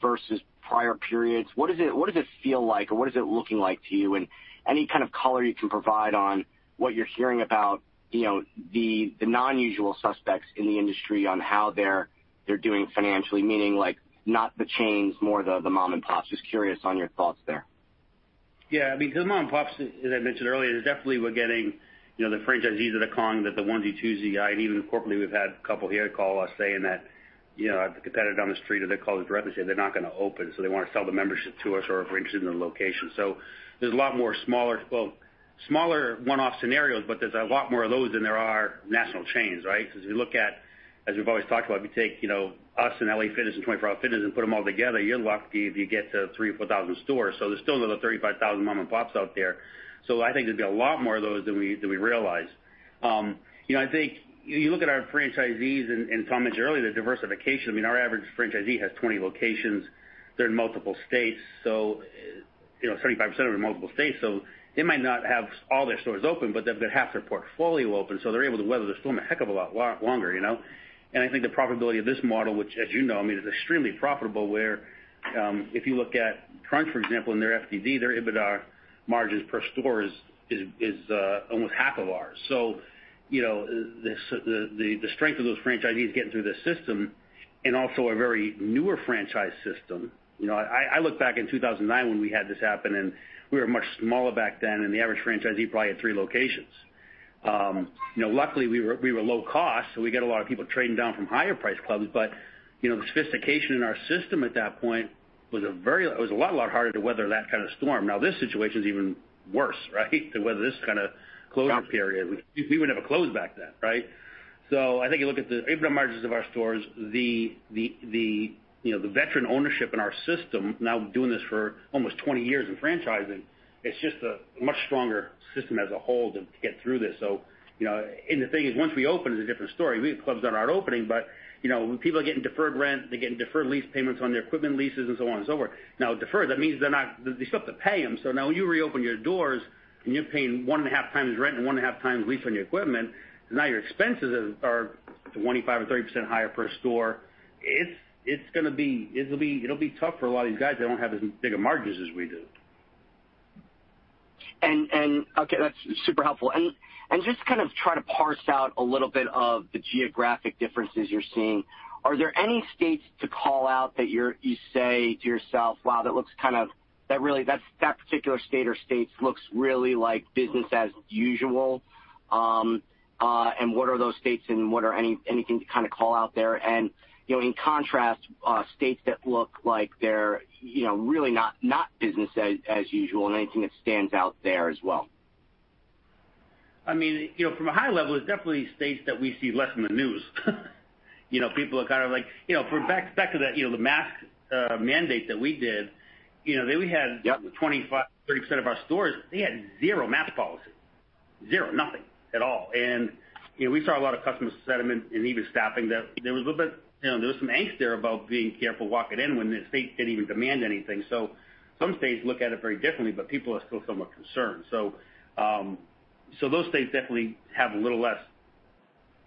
versus prior periods. What does it feel like, or what is it looking like to you and any kind of color you can provide on what you're hearing about the non-usual suspects in the industry on how they're doing financially, meaning like not the chains, more the mom and pops. Just curious on your thoughts there. Mom and pops, as I mentioned earlier, definitely we're getting the franchisees of the [Kong], the onesie, twosie guy. Even corporately, we've had a couple here call us saying that, "I have a competitor down the street," or they call us directly, say they're not going to open, so they want to sell the membership to us or if we're interested in a location. There's a lot more smaller one-off scenarios, but there's a lot more of those than there are national chains, right? As we've always talked about, if you take us and L.A. Fitness and 24 Hour Fitness and put them all together, you're lucky if you get to 3,000 or 4,000 stores. There's still another 35,000 mom and pops out there. I think there'd be a lot more of those than we realize. I think you look at our franchisees. Tom mentioned earlier, the diversification. Our average franchisee has 20 locations. They're in multiple states. 75% are in multiple states. They might not have all their stores open, but they've got half their portfolio open. They're able to weather the storm a heck of a lot longer. I think the probability of this model, which as you know is extremely profitable, where if you look at Crunch Fitness, for example, and their FDD, their EBITDA margins per store is almost half of ours. The strength of those franchisees getting through this system and also a very newer franchise system. I look back in 2009 when we had this happen. We were much smaller back then. The average franchisee probably had three locations. Luckily, we were low cost, so we get a lot of people trading down from higher priced clubs. The sophistication in our system at that point, it was a lot harder to weather that kind of storm. Now, this situation is even worse, right? To weather this kind of closure period. We would never close back then, right? I think you look at the EBITDA margins of our stores, the veteran ownership in our system now doing this for almost 20 years in franchising, it's just a much stronger system as a whole to get through this. The thing is, once we open, it's a different story. We have clubs that aren't opening, but when people are getting deferred rent, they're getting deferred lease payments on their equipment leases and so on and so forth. Now, deferred, that means they still have to pay them. Now when you reopen your doors and you're paying 1.5 times rent and 1.5 times lease on your equipment, your expenses are 25% or 30% higher per store. It'll be tough for a lot of these guys that don't have as big of margins as we do. Okay. That's super helpful. Just kind of try to parse out a little bit of the geographic differences you're seeing. Are there any states to call out that you say to yourself, "Wow, that particular state or states looks really like business as usual." What are those states and what are anything to kind of call out there? In contrast, states that look like they're really not business as usual and anything that stands out there as well. From a high level, it's definitely states that we see less in the news. Yep 25%, 30% of our stores, they had zero mask policy. Zero, nothing at all. We saw a lot of customer sentiment and even staffing that there was some angst there about being careful walking in when the state didn't even demand anything. Some states look at it very differently, but people are still somewhat concerned. Those states definitely have a little less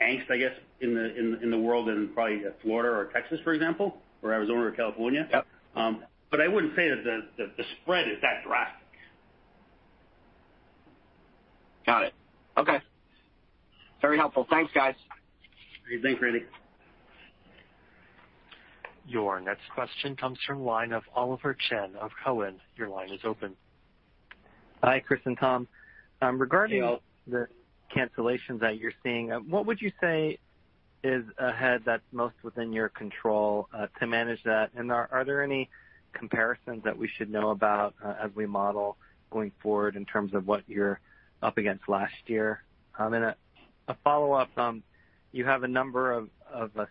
angst, I guess, in the world than probably Florida or Texas, for example, or Arizona or California. Yep. I wouldn't say that the spread is that drastic. Got it. Okay. Very helpful. Thanks, guys. Great. Thanks, Randy. Your next question comes from the line of Oliver Chen of Cowen. Your line is open. Hi, Chris and Tom. Hey, Oliver. Regarding the cancellations that you're seeing, what would you say is ahead that's most within your control to manage that? Are there any comparisons that we should know about as we model going forward in terms of what you're up against last year? A follow-up. You have a number of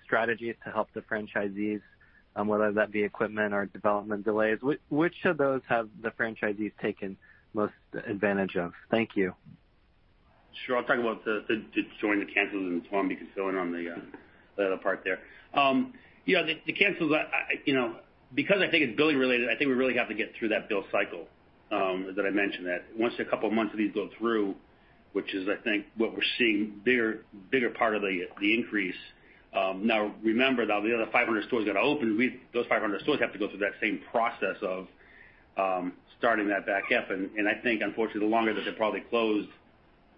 strategies to help the franchisees, whether that be equipment or development delays. Which of those have the franchisees taken most advantage of? Thank you. Sure. I'll talk about the joining the cancels, and then, Tom, you can fill in on the other part there. The cancels, because I think it's billing related, I think we really have to get through that bill cycle that I mentioned, that once a couple of months of these go through, which is, I think, what we're seeing bigger part of the increase. Remember, though, the other 500 stores that are open, those 500 stores have to go through that same process of starting that back up. I think, unfortunately, the longer that they're probably closed,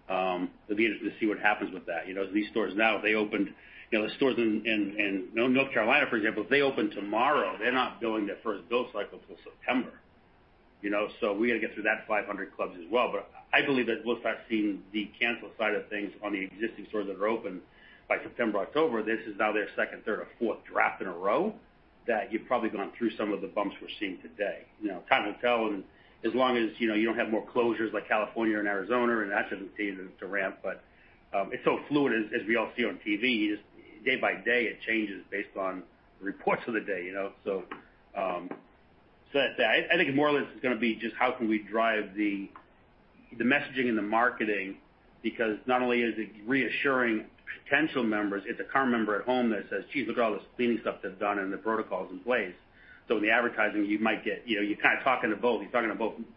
we'll be able to see what happens with that. These stores now, the stores in North Carolina, for example, if they open tomorrow, they're not billing their first bill cycle till September. We got to get through that 500 clubs as well. I believe that we'll start seeing the cancel side of things on the existing stores that are open by September, October. This is now their second, third, or fourth draft in a row that you've probably gone through some of the bumps we're seeing today. Time will tell, as long as you don't have more closures like California and Arizona, and that doesn't seem to ramp. It's so fluid, as we all see on TV, just day by day, it changes based on reports of the day. I think more or less it's going to be just how can we drive the messaging and the marketing because not only is it reassuring potential members, it's a current member at home that says, "Geez, look at all this cleaning stuff that's done and the protocols in place." In the advertising, you're kind of talking to both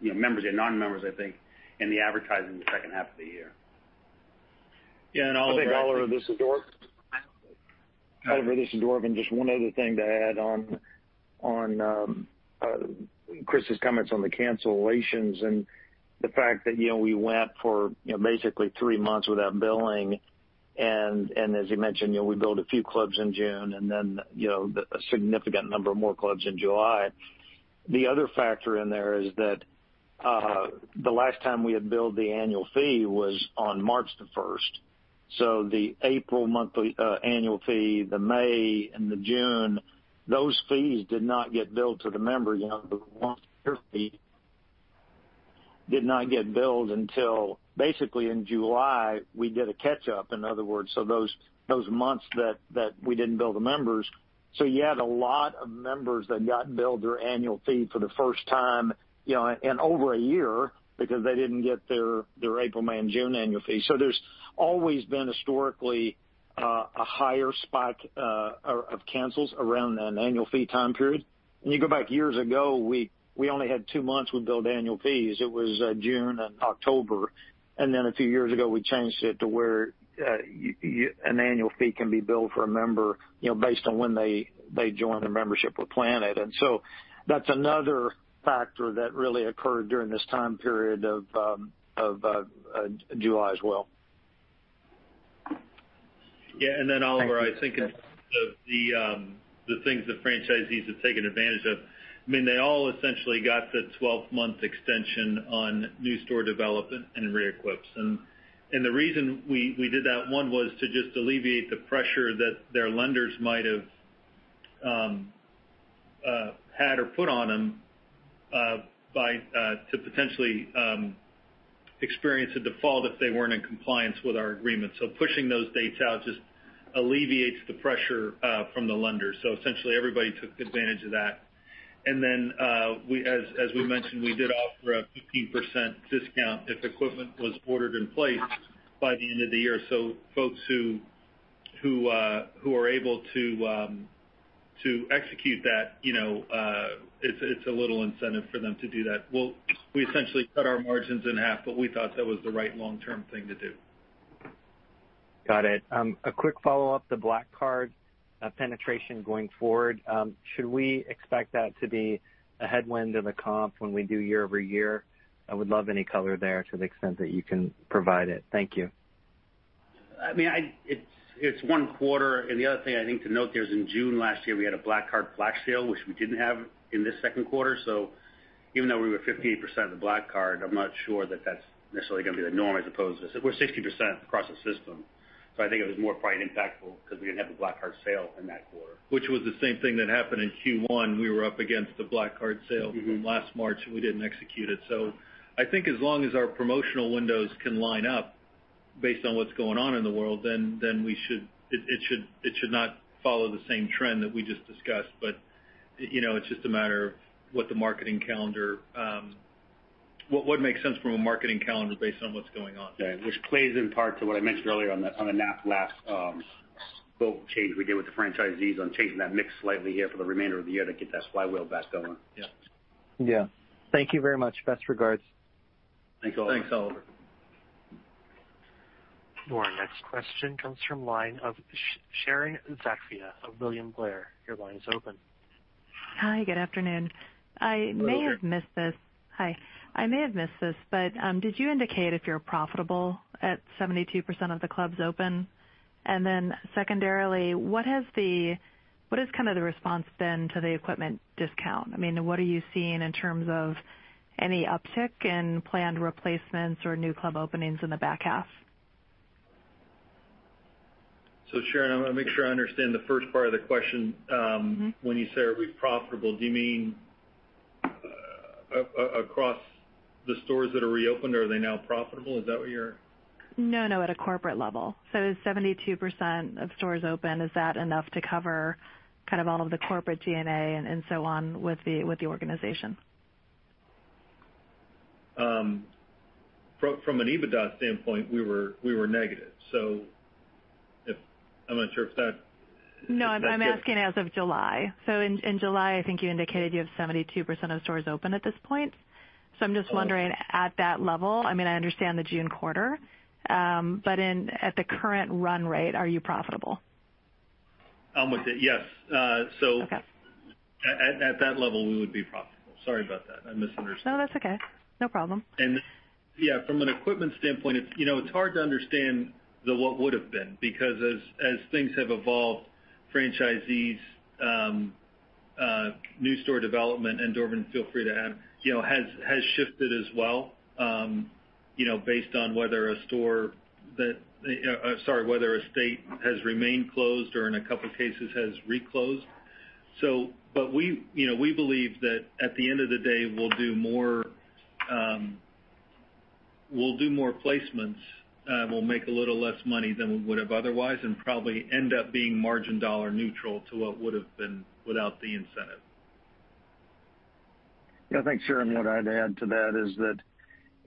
members and non-members, I think, in the advertising in the H2 of the year. Yeah, Oliver, this is Dorvin. Just one other thing to add on Chris's comments on the cancellations and the fact that we went for basically three months without billing, and as you mentioned, we billed a few clubs in June and then a significant number more clubs in July. The other factor in there is that the last time we had billed the annual fee was on March 1st. The April annual fee, the May, and the June, those fees did not get billed to the members. The long-term fee did not get billed until basically in July, we did a catch-up, in other words, those months that we didn't bill the members. You had a lot of members that got billed their annual fee for the first time in over a year because they didn't get their April, May, and June annual fee. There's always been historically a higher spike of cancels around an annual fee time period. When you go back years ago, we only had two months we billed annual fees. It was June and October. A few years ago, we changed it to where an annual fee can be billed for a member based on when they join a membership with Planet. That's another factor that really occurred during this time period of July as well. Yeah. Oliver, I think the things the franchisees have taken advantage of, they all essentially got the 12-month extension on new store development and re-equips. The reason we did that, one, was to just alleviate the pressure that their lenders might have had or put on them to potentially experience a default if they weren't in compliance with our agreement. Pushing those dates out just alleviates the pressure from the lender. Essentially, everybody took advantage of that. As we mentioned, we did offer a 15% discount if equipment was ordered and placed by the end of the year. Folks who are able to execute that, it's a little incentive for them to do that. We essentially cut our margins in half, but we thought that was the right long-term thing to do. Got it. A quick follow-up, the Black Card penetration going forward. Should we expect that to be a headwind or the comp when we do year-over-year? I would love any color there to the extent that you can provide it. Thank you. It's one quarter. The other thing I think to note there is in June last year, we had a Black Card flash sale, which we didn't have in this Q2. Even though we were 15% of the Black Card, I'm not sure that that's necessarily going to be the norm, I suppose. We're 60% across the system, I think it was more probably impactful because we didn't have a Black Card sale in that quarter. Which was the same thing that happened in Q1. We were up against the Black Card sale from last March, and we didn't execute it. I think as long as our promotional windows can line up based on what's going on in the world, then it should not follow the same trend that we just discussed. It's just a matter of what makes sense from a marketing calendar based on what's going on. Yeah. Which plays in part to what I mentioned earlier on the NAF last little change we did with the franchisees on changing that mix slightly here for the remainder of the year to get that flywheel back going. Yeah. Yeah. Thank you very much. Best regards. Thanks, Oliver. Thanks, Oliver. Our next question comes from line of Sharon Zackfia of William Blair. Your line is open. Hi, good afternoon. Hello. Hi. I may have missed this, but did you indicate if you're profitable at 72% of the clubs open? Secondarily, what is the response then to the equipment discount? What are you seeing in terms of any uptick in planned replacements or new club openings in the back half? Sharon, I want to make sure I understand the first part of the question. When you say, are we profitable, do you mean Across the stores that are reopened, are they now profitable? Is that what you're asking? No, at a corporate level. 72% of stores open, is that enough to cover all of the corporate G&A and so on with the organization? From an EBITDA standpoint, we were negative. I'm not sure if that. I'm asking as of July. In July, I think you indicated you have 72% of stores open at this point. I'm just wondering at that level, I understand the June quarter. At the current run rate, are you profitable? I'm with you. Yes. Okay. At that level, we would be profitable. Sorry about that. I misunderstood. No, that's okay. No problem. Yeah, from an equipment standpoint, it's hard to understand the what would've been, because as things have evolved, franchisees, new store development, and Dorvin, feel free to add, has shifted as well based on whether a state has remained closed or in a couple of cases has reclosed. We believe that at the end of the day, we'll do more placements. We'll make a little less money than we would have otherwise and probably end up being margin dollar neutral to what would've been without the incentive. Yeah, thanks, Sharon. What I'd add to that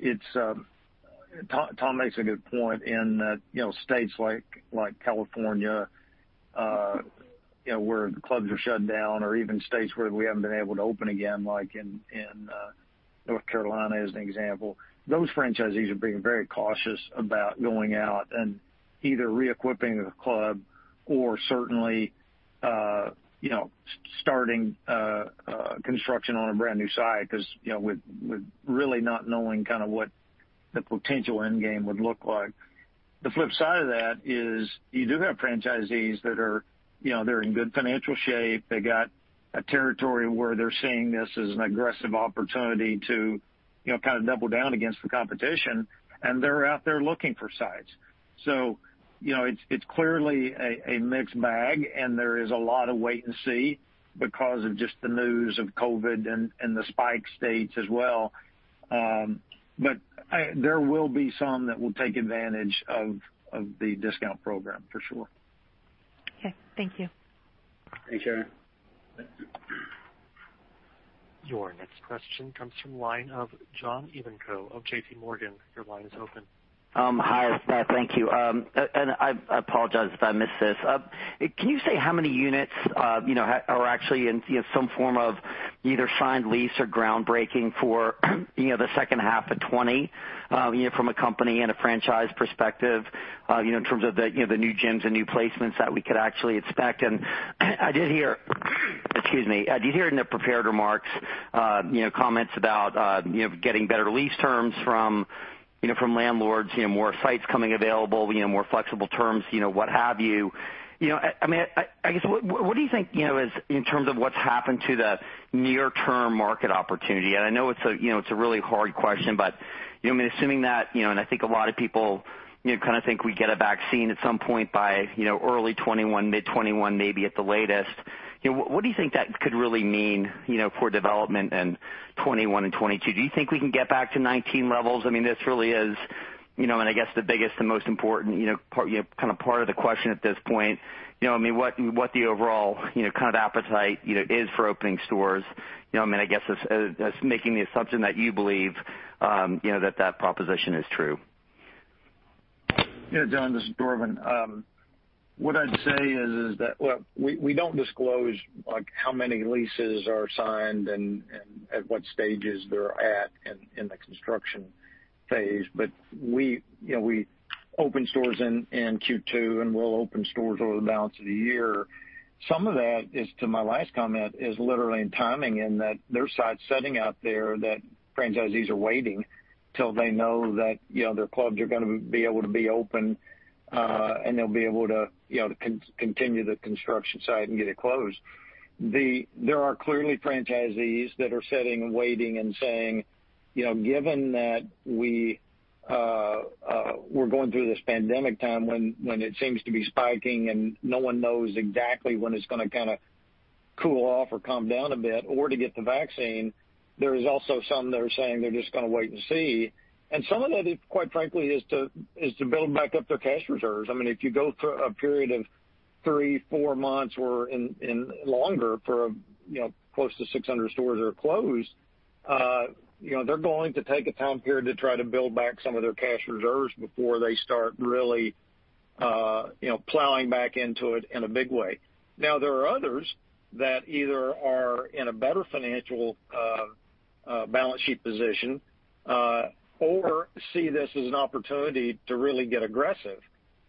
is that Tom makes a good point in that states like California where clubs are shut down or even states where we haven't been able to open again, like in North Carolina as an example. Those franchisees are being very cautious about going out and either re-equipping the club or certainly starting construction on a brand-new site because with really not knowing what the potential end game would look like. The flip side of that is you do have franchisees that are in good financial shape. They got a territory where they're seeing this as an aggressive opportunity to double down against the competition, and they're out there looking for sites. It's clearly a mixed bag, and there is a lot of wait and see because of just the news of COVID and the spike states as well. There will be some that will take advantage of the discount program for sure. Okay. Thank you. Thanks, Sharon. Your next question comes from the line of John Ivankoe of J.P. Morgan. Your line is open. Hi. Thank you. I apologize if I missed this. Can you say how many units are actually in some form of either signed lease or groundbreaking for the H2 of 2020 from a company and a franchise perspective in terms of the new gyms and new placements that we could actually expect? I did hear excuse me. I did hear in the prepared remarks comments about getting better lease terms from landlords, more sites coming available, more flexible terms, what have you. I guess, what do you think in terms of what's happened to the near-term market opportunity? I know it's a really hard question, but assuming that I think a lot of people think we get a vaccine at some point by early 2021, mid 2021, maybe at the latest. What do you think that could really mean for development in 2021 and 2022? Do you think we can get back to 2019 levels? This really is and I guess the biggest and most important part of the question at this point, what the overall appetite is for opening stores. I guess that's making the assumption that you believe that proposition is true. Yeah, John, this is Dorvin. What I'd say is that we don't disclose how many leases are signed and at what stages they're at in the construction phase. We opened stores in Q2, and we'll open stores over the balance of the year. Some of that is to my last comment is literally in timing in that there's sites sitting out there that franchisees are waiting till they know that their clubs are going to be able to be open and they'll be able to continue the construction site and get it closed. There are clearly franchisees that are sitting and waiting and saying, given that we're going through this pandemic time when it seems to be spiking and no one knows exactly when it's going to cool off or calm down a bit or to get the vaccine. There's also some that are saying they're just going to wait and see. Some of that, quite frankly, is to build back up their cash reserves. If you go through a period of three, four months or longer for close to 600 stores that are closed. They're going to take a time period to try to build back some of their cash reserves before they start really plowing back into it in a big way. There are others that either are in a better financial balance sheet position or see this as an opportunity to really get aggressive.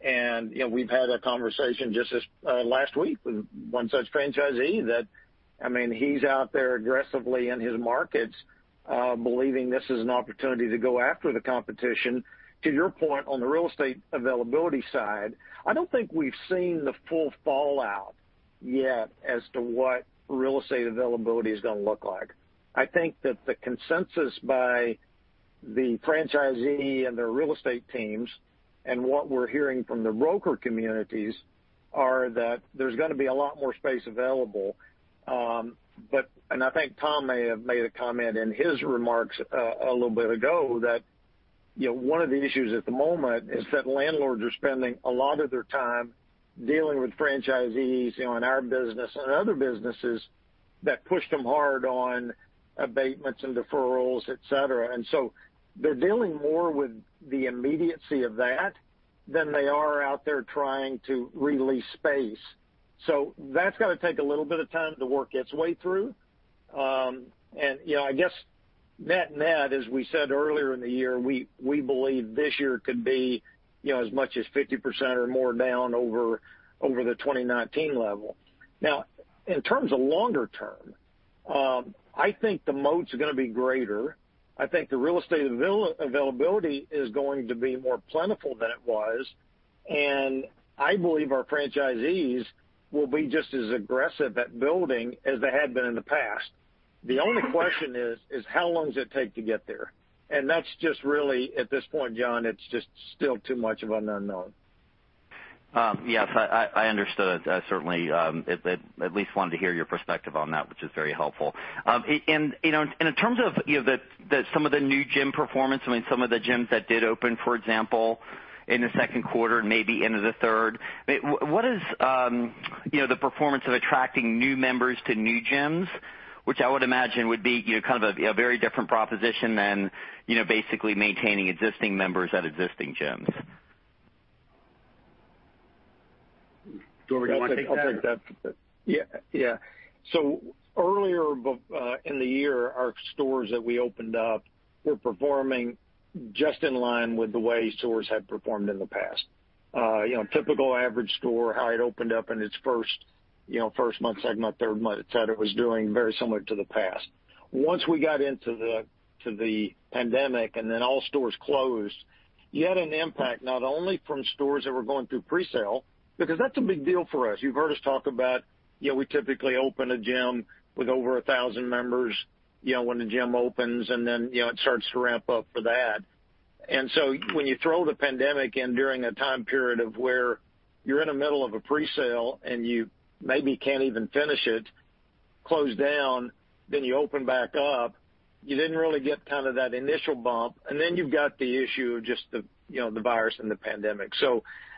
We've had a conversation just this last week with one such franchisee that he's out there aggressively in his markets believing this is an opportunity to go after the competition. To your point on the real estate availability side, I don't think we've seen the full fallout yet as to what real estate availability is going to look like. I think that the consensus by the franchisee and their real estate teams, and what we're hearing from the broker communities, are that there's going to be a lot more space available. I think Tom may have made a comment in his remarks a little bit ago that one of the issues at the moment is that landlords are spending a lot of their time dealing with franchisees in our business and other businesses that pushed them hard on abatements and deferrals, et cetera. They're dealing more with the immediacy of that than they are out there trying to re-lease space. That's got to take a little bit of time to work its way through. I guess, net-net, as we said earlier in the year, we believe this year could be as much as 50% or more down over the 2019 level. In terms of longer term, I think the moat's going to be greater. I think the real estate availability is going to be more plentiful than it was. I believe our franchisees will be just as aggressive at building as they had been in the past. The only question is how long does it take to get there? That's just really, at this point, John, it's just still too much of an unknown. Yes, I understood. I certainly at least wanted to hear your perspective on that, which is very helpful. In terms of some of the new gym performance, some of the gyms that did open, for example, in the Q2, maybe into the third, what is the performance of attracting new members to new gyms? Which I would imagine would be kind of a very different proposition than basically maintaining existing members at existing gyms. Do you want me to take that? I'll take that. Earlier in the year, our stores that we opened up were performing just in line with the way stores had performed in the past. Typical average store, how it opened up in its first month, second month, third month, et cetera, was doing very similar to the past. Once we got into the pandemic, and all stores closed, you had an impact not only from stores that were going through pre-sale, because that's a big deal for us. You've heard us talk about we typically open a gym with over 1,000 members when the gym opens, and it starts to ramp up for that. When you throw the pandemic in during a time period of where you're in the middle of a pre-sale and you maybe can't even finish it, close down, then you open back up, you didn't really get kind of that initial bump. You've got the issue of just the virus and the pandemic.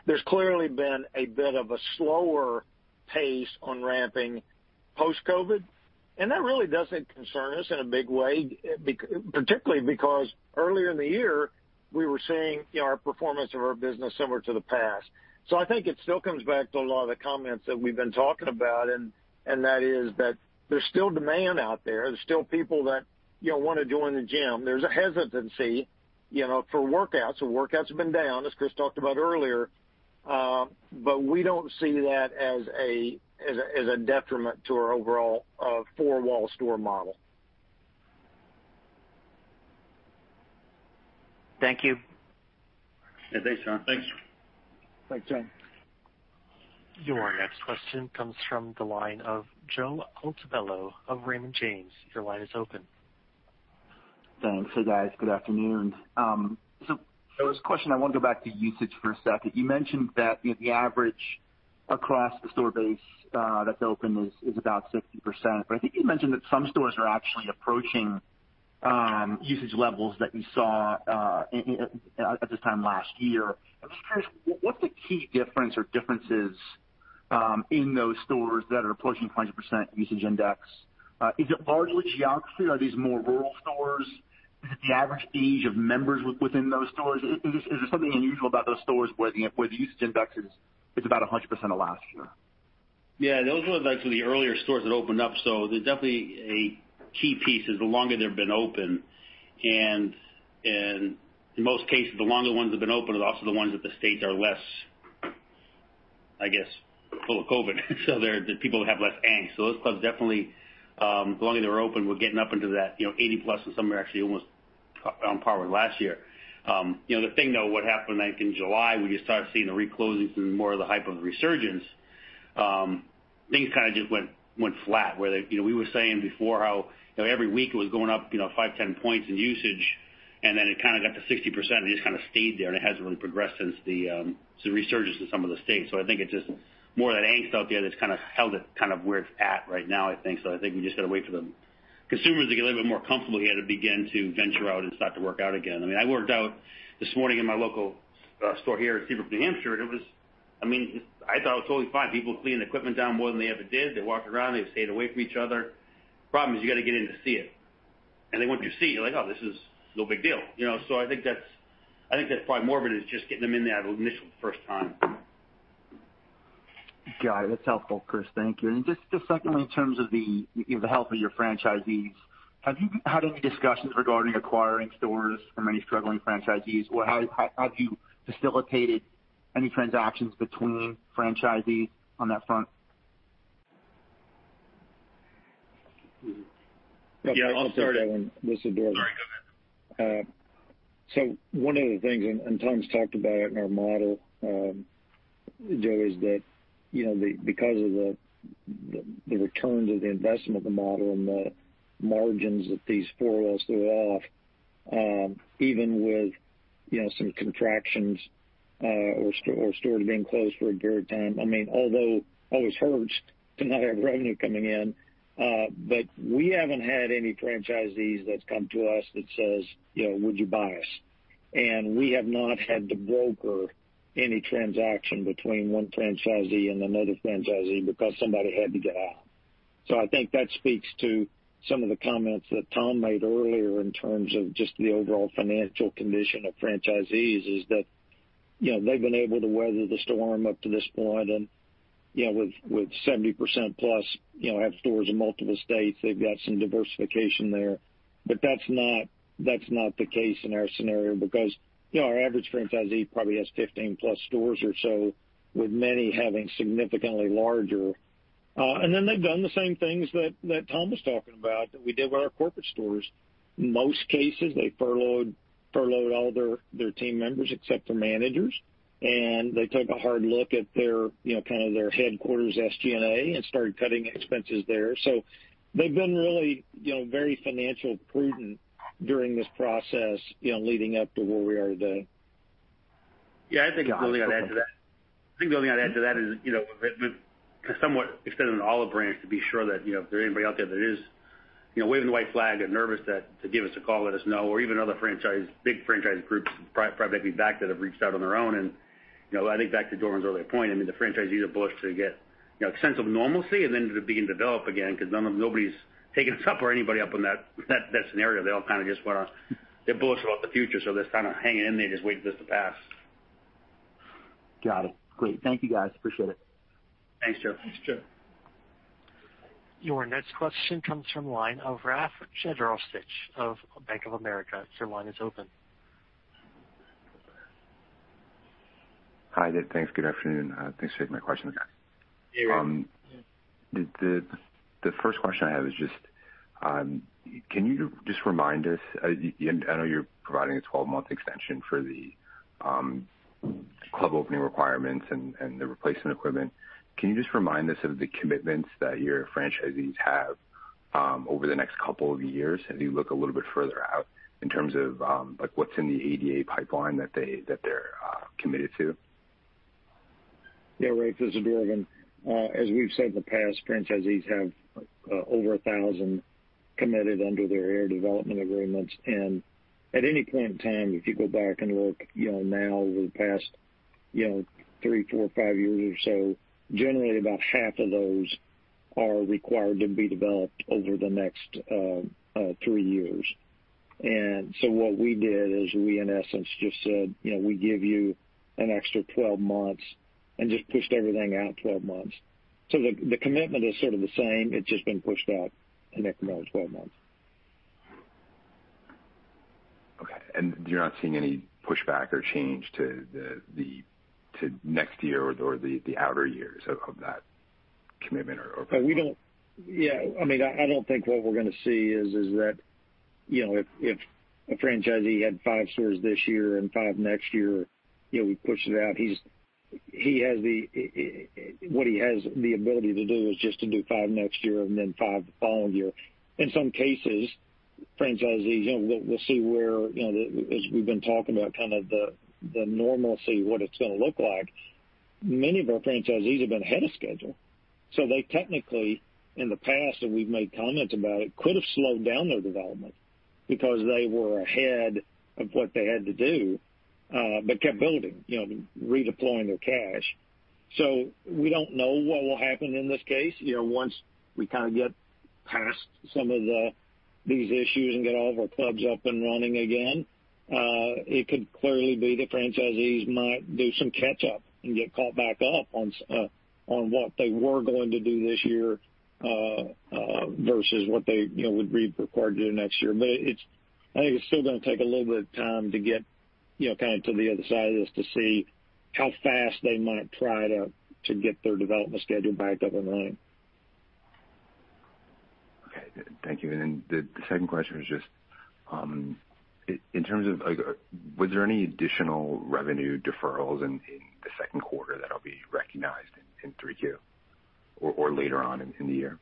There's clearly been a bit of a slower pace on ramping post-COVID, and that really doesn't concern us in a big way, particularly because earlier in the year, we were seeing our performance of our business similar to the past. I think it still comes back to a lot of the comments that we've been talking about, and that is that there's still demand out there. There's still people that want to join the gym. There's a hesitancy for workouts. Workouts have been down, as Chris talked about earlier. We don't see that as a detriment to our overall four-wall store model. Thank you. Yeah, thanks, John. Thanks. Thanks, John. Your next question comes from the line of Joe Altobello of Raymond James. Your line is open. Thanks. Hey, guys. Good afternoon. There was a question, I want to go back to usage for a second. You mentioned that the average across the store base that's open is about 60%, but I think you mentioned that some stores are actually approaching usage levels that you saw at this time last year. I'm just curious, what's the key difference or differences in those stores that are approaching 100% usage index? Is it largely geography? Are these more rural stores? Is it the average age of members within those stores? Is there something unusual about those stores where the usage index is about 100% of last year? Yeah, those were the earlier stores that opened up. There's definitely a key piece is the longer they've been open, and in most cases, the longer ones have been open are also the ones that the states are less, I guess, full of COVID. The people have less angst. Those clubs definitely, the longer they were open, were getting up into that 80-plus and some are actually almost on par with last year. The thing, though, what happened in July, we just started seeing the re-closings and more of the hype of the resurgence. Things kind of just went flat where we were saying before how every week it was going up 5, 10 points in usage, and then it kind of got to 60% and just kind of stayed there, and it hasn't really progressed since the resurgence in some of the states. I think it's just more of that angst out there that's kind of held it where it's at right now, I think. I think we just got to wait for the consumers to get a little bit more comfortable here to begin to venture out and start to work out again. I worked out this morning in my local store here in Seabrook, New Hampshire, and I thought it was totally fine. People were cleaning the equipment down more than they ever did. They walked around. They stayed away from each other. Problem is you got to get in to see it. Then once you see it, you're like, "Oh, this is no big deal." I think that's probably more of it, is just getting them in there that initial first time. Got it. That's helpful, Chris. Thank you. Just secondly, in terms of the help of your franchisees, have you had any discussions regarding acquiring stores from any struggling franchisees, or have you facilitated any transactions between franchisees on that front? Yeah, I'll start. Yeah, I'll take that one. This is Dorvin. Sorry. Go ahead. One of the things, and Tom's talked about it in our model. Joe, is that because of the returns of the investment of the model and the margins that these four walls threw off, even with some contractions or stores being closed for a period of time. Although it always hurts to not have revenue coming in, we haven't had any franchisees that's come to us that says, "Would you buy us?" We have not had to broker any transaction between one franchisee and another franchisee because somebody had to get out. I think that speaks to some of the comments that Tom made earlier in terms of just the overall financial condition of franchisees, is that they've been able to weather the storm up to this point, and with 70% plus have stores in multiple states. They've got some diversification there. That's not the case in our scenario because our average franchisee probably has 15+ stores or so, with many having significantly larger. They've done the same things that Tom was talking about that we did with our corporate stores. In most cases, they furloughed all their team members except for managers. They took a hard look at their headquarters SG&A and started cutting expenses there. They've been really very financially prudent during this process, leading up to where we are today. Yeah, I think the only thing I'd add to that is, somewhat extended an olive branch to be sure that if there's anybody out there that is waving the white flag or nervous, to give us a call, let us know, or even other big franchise groups privately backed that have reached out on their own. I think back to Dorvin's earlier point, the franchisees are bullish to get a sense of normalcy and then to begin to develop again, because nobody's taking us up or anybody up on that scenario. They're bullish about the future, so they're kind of hanging in there, just waiting for this to pass. Got it. Great. Thank you, guys. Appreciate it. Thanks, Joe. Thanks, Joe. Your next question comes from the line of Rafe Jadrosich of Bank of America. Your line is open. Hi. Thanks. Good afternoon. Thanks for taking my question, guys. Hey, Rafe. Yeah. The first question I have is just, can you just remind us, I know you're providing a 12-month extension for the club opening requirements and the replacement equipment. Can you just remind us of the commitments that your franchisees have over the next couple of years as you look a little bit further out in terms of what's in the ADA pipeline that they're committed to? Yeah, Rafe, this is Dorvin. As we've said in the past, franchisees have over 1,000 committed under their area development agreements. At any point in time, if you go back and look now over the past three, four, five years or so, generally about half of those are required to be developed over the next three years. What we did is we, in essence, just said, we give you an extra 12 months and just pushed everything out 12 months. The commitment is sort of the same. It's just been pushed out an incremental 12 months. Okay. You're not seeing any pushback or change to next year or the outer years of that commitment? Yeah. I don't think what we're going to see is that if a franchisee had five stores this year and five next year, we pushed it out. What he has the ability to do is just to do five next year and then five the following year. In some cases, franchisees, we'll see where, as we've been talking about kind of the normalcy, what it's going to look like. Many of our franchisees have been ahead of schedule. They technically, in the past, and we've made comments about it, could have slowed down their development because they were ahead of what they had to do, but kept building, redeploying their cash. We don't know what will happen in this case. Once we kind of get past some of these issues and get all of our clubs up and running again, it could clearly be the franchisees might do some catch-up and get caught back up on what they were going to do this year versus what they would be required to do next year. I think it's still going to take a little bit of time to get kind of to the other side of this to see how fast they might try to get their development schedule back up and running. Okay. Thank you. The second question is just, was there any additional revenue deferrals in the Q2 that'll be recognized in 3Q or later on in the year?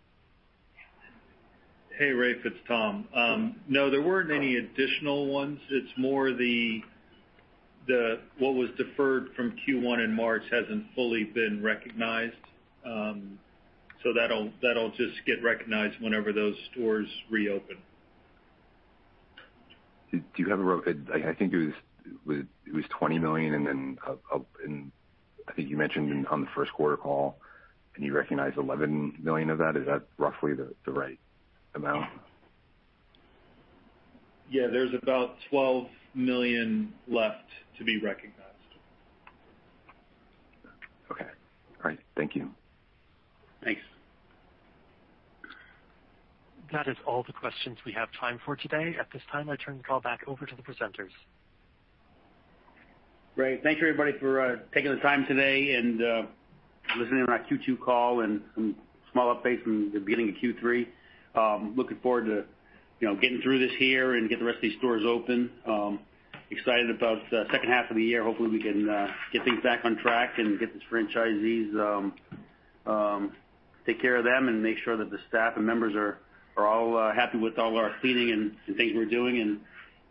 Hey, Rafe, it's Tom. No, there weren't any additional ones. It's more what was deferred from Q1 in March hasn't fully been recognized. That'll just get recognized whenever those stores reopen. Do you have a rough I think it was $20 million, and then I think you mentioned on the Q1 call, and you recognized $11 million of that. Is that roughly the right amount? Yeah, there's about $12 million left to be recognized. Okay, great. Thank you. Thanks. That is all the questions we have time for today. At this time, I turn the call back over to the presenters. Great. Thank you, everybody, for taking the time today and listening in on our Q2 call and some small updates from the beginning of Q3. Looking forward to getting through this here and get the rest of these stores open. Excited about the H2 of the year. Hopefully, we can get things back on track and get these franchisees, take care of them, and make sure that the staff and members are all happy with all our cleaning and things we're doing.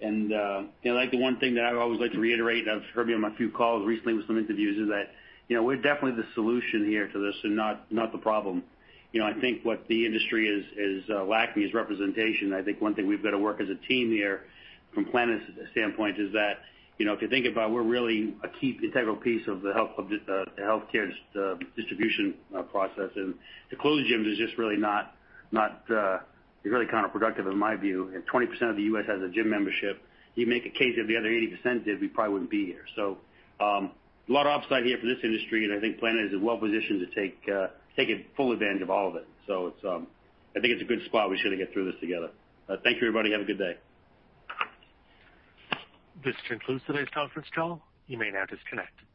The one thing that I always like to reiterate, and I've heard me on my few calls recently with some interviews, is that we're definitely the solution here to this and not the problem. I think what the industry is lacking is representation. I think one thing we've got to work as a team here from Planet standpoint is that if you think about it, we're really a key integral piece of the healthcare distribution process. To close gyms is just really counterproductive in my view. If 20% of the U.S. has a gym membership, you make a case if the other 80% did, we probably wouldn't be here. A lot of upside here for this industry, and I think Planet is well-positioned to take full advantage of all of it. I think it's a good spot. We just got to get through this together. Thank you, everybody. Have a good day. This concludes today's conference call. You may now disconnect.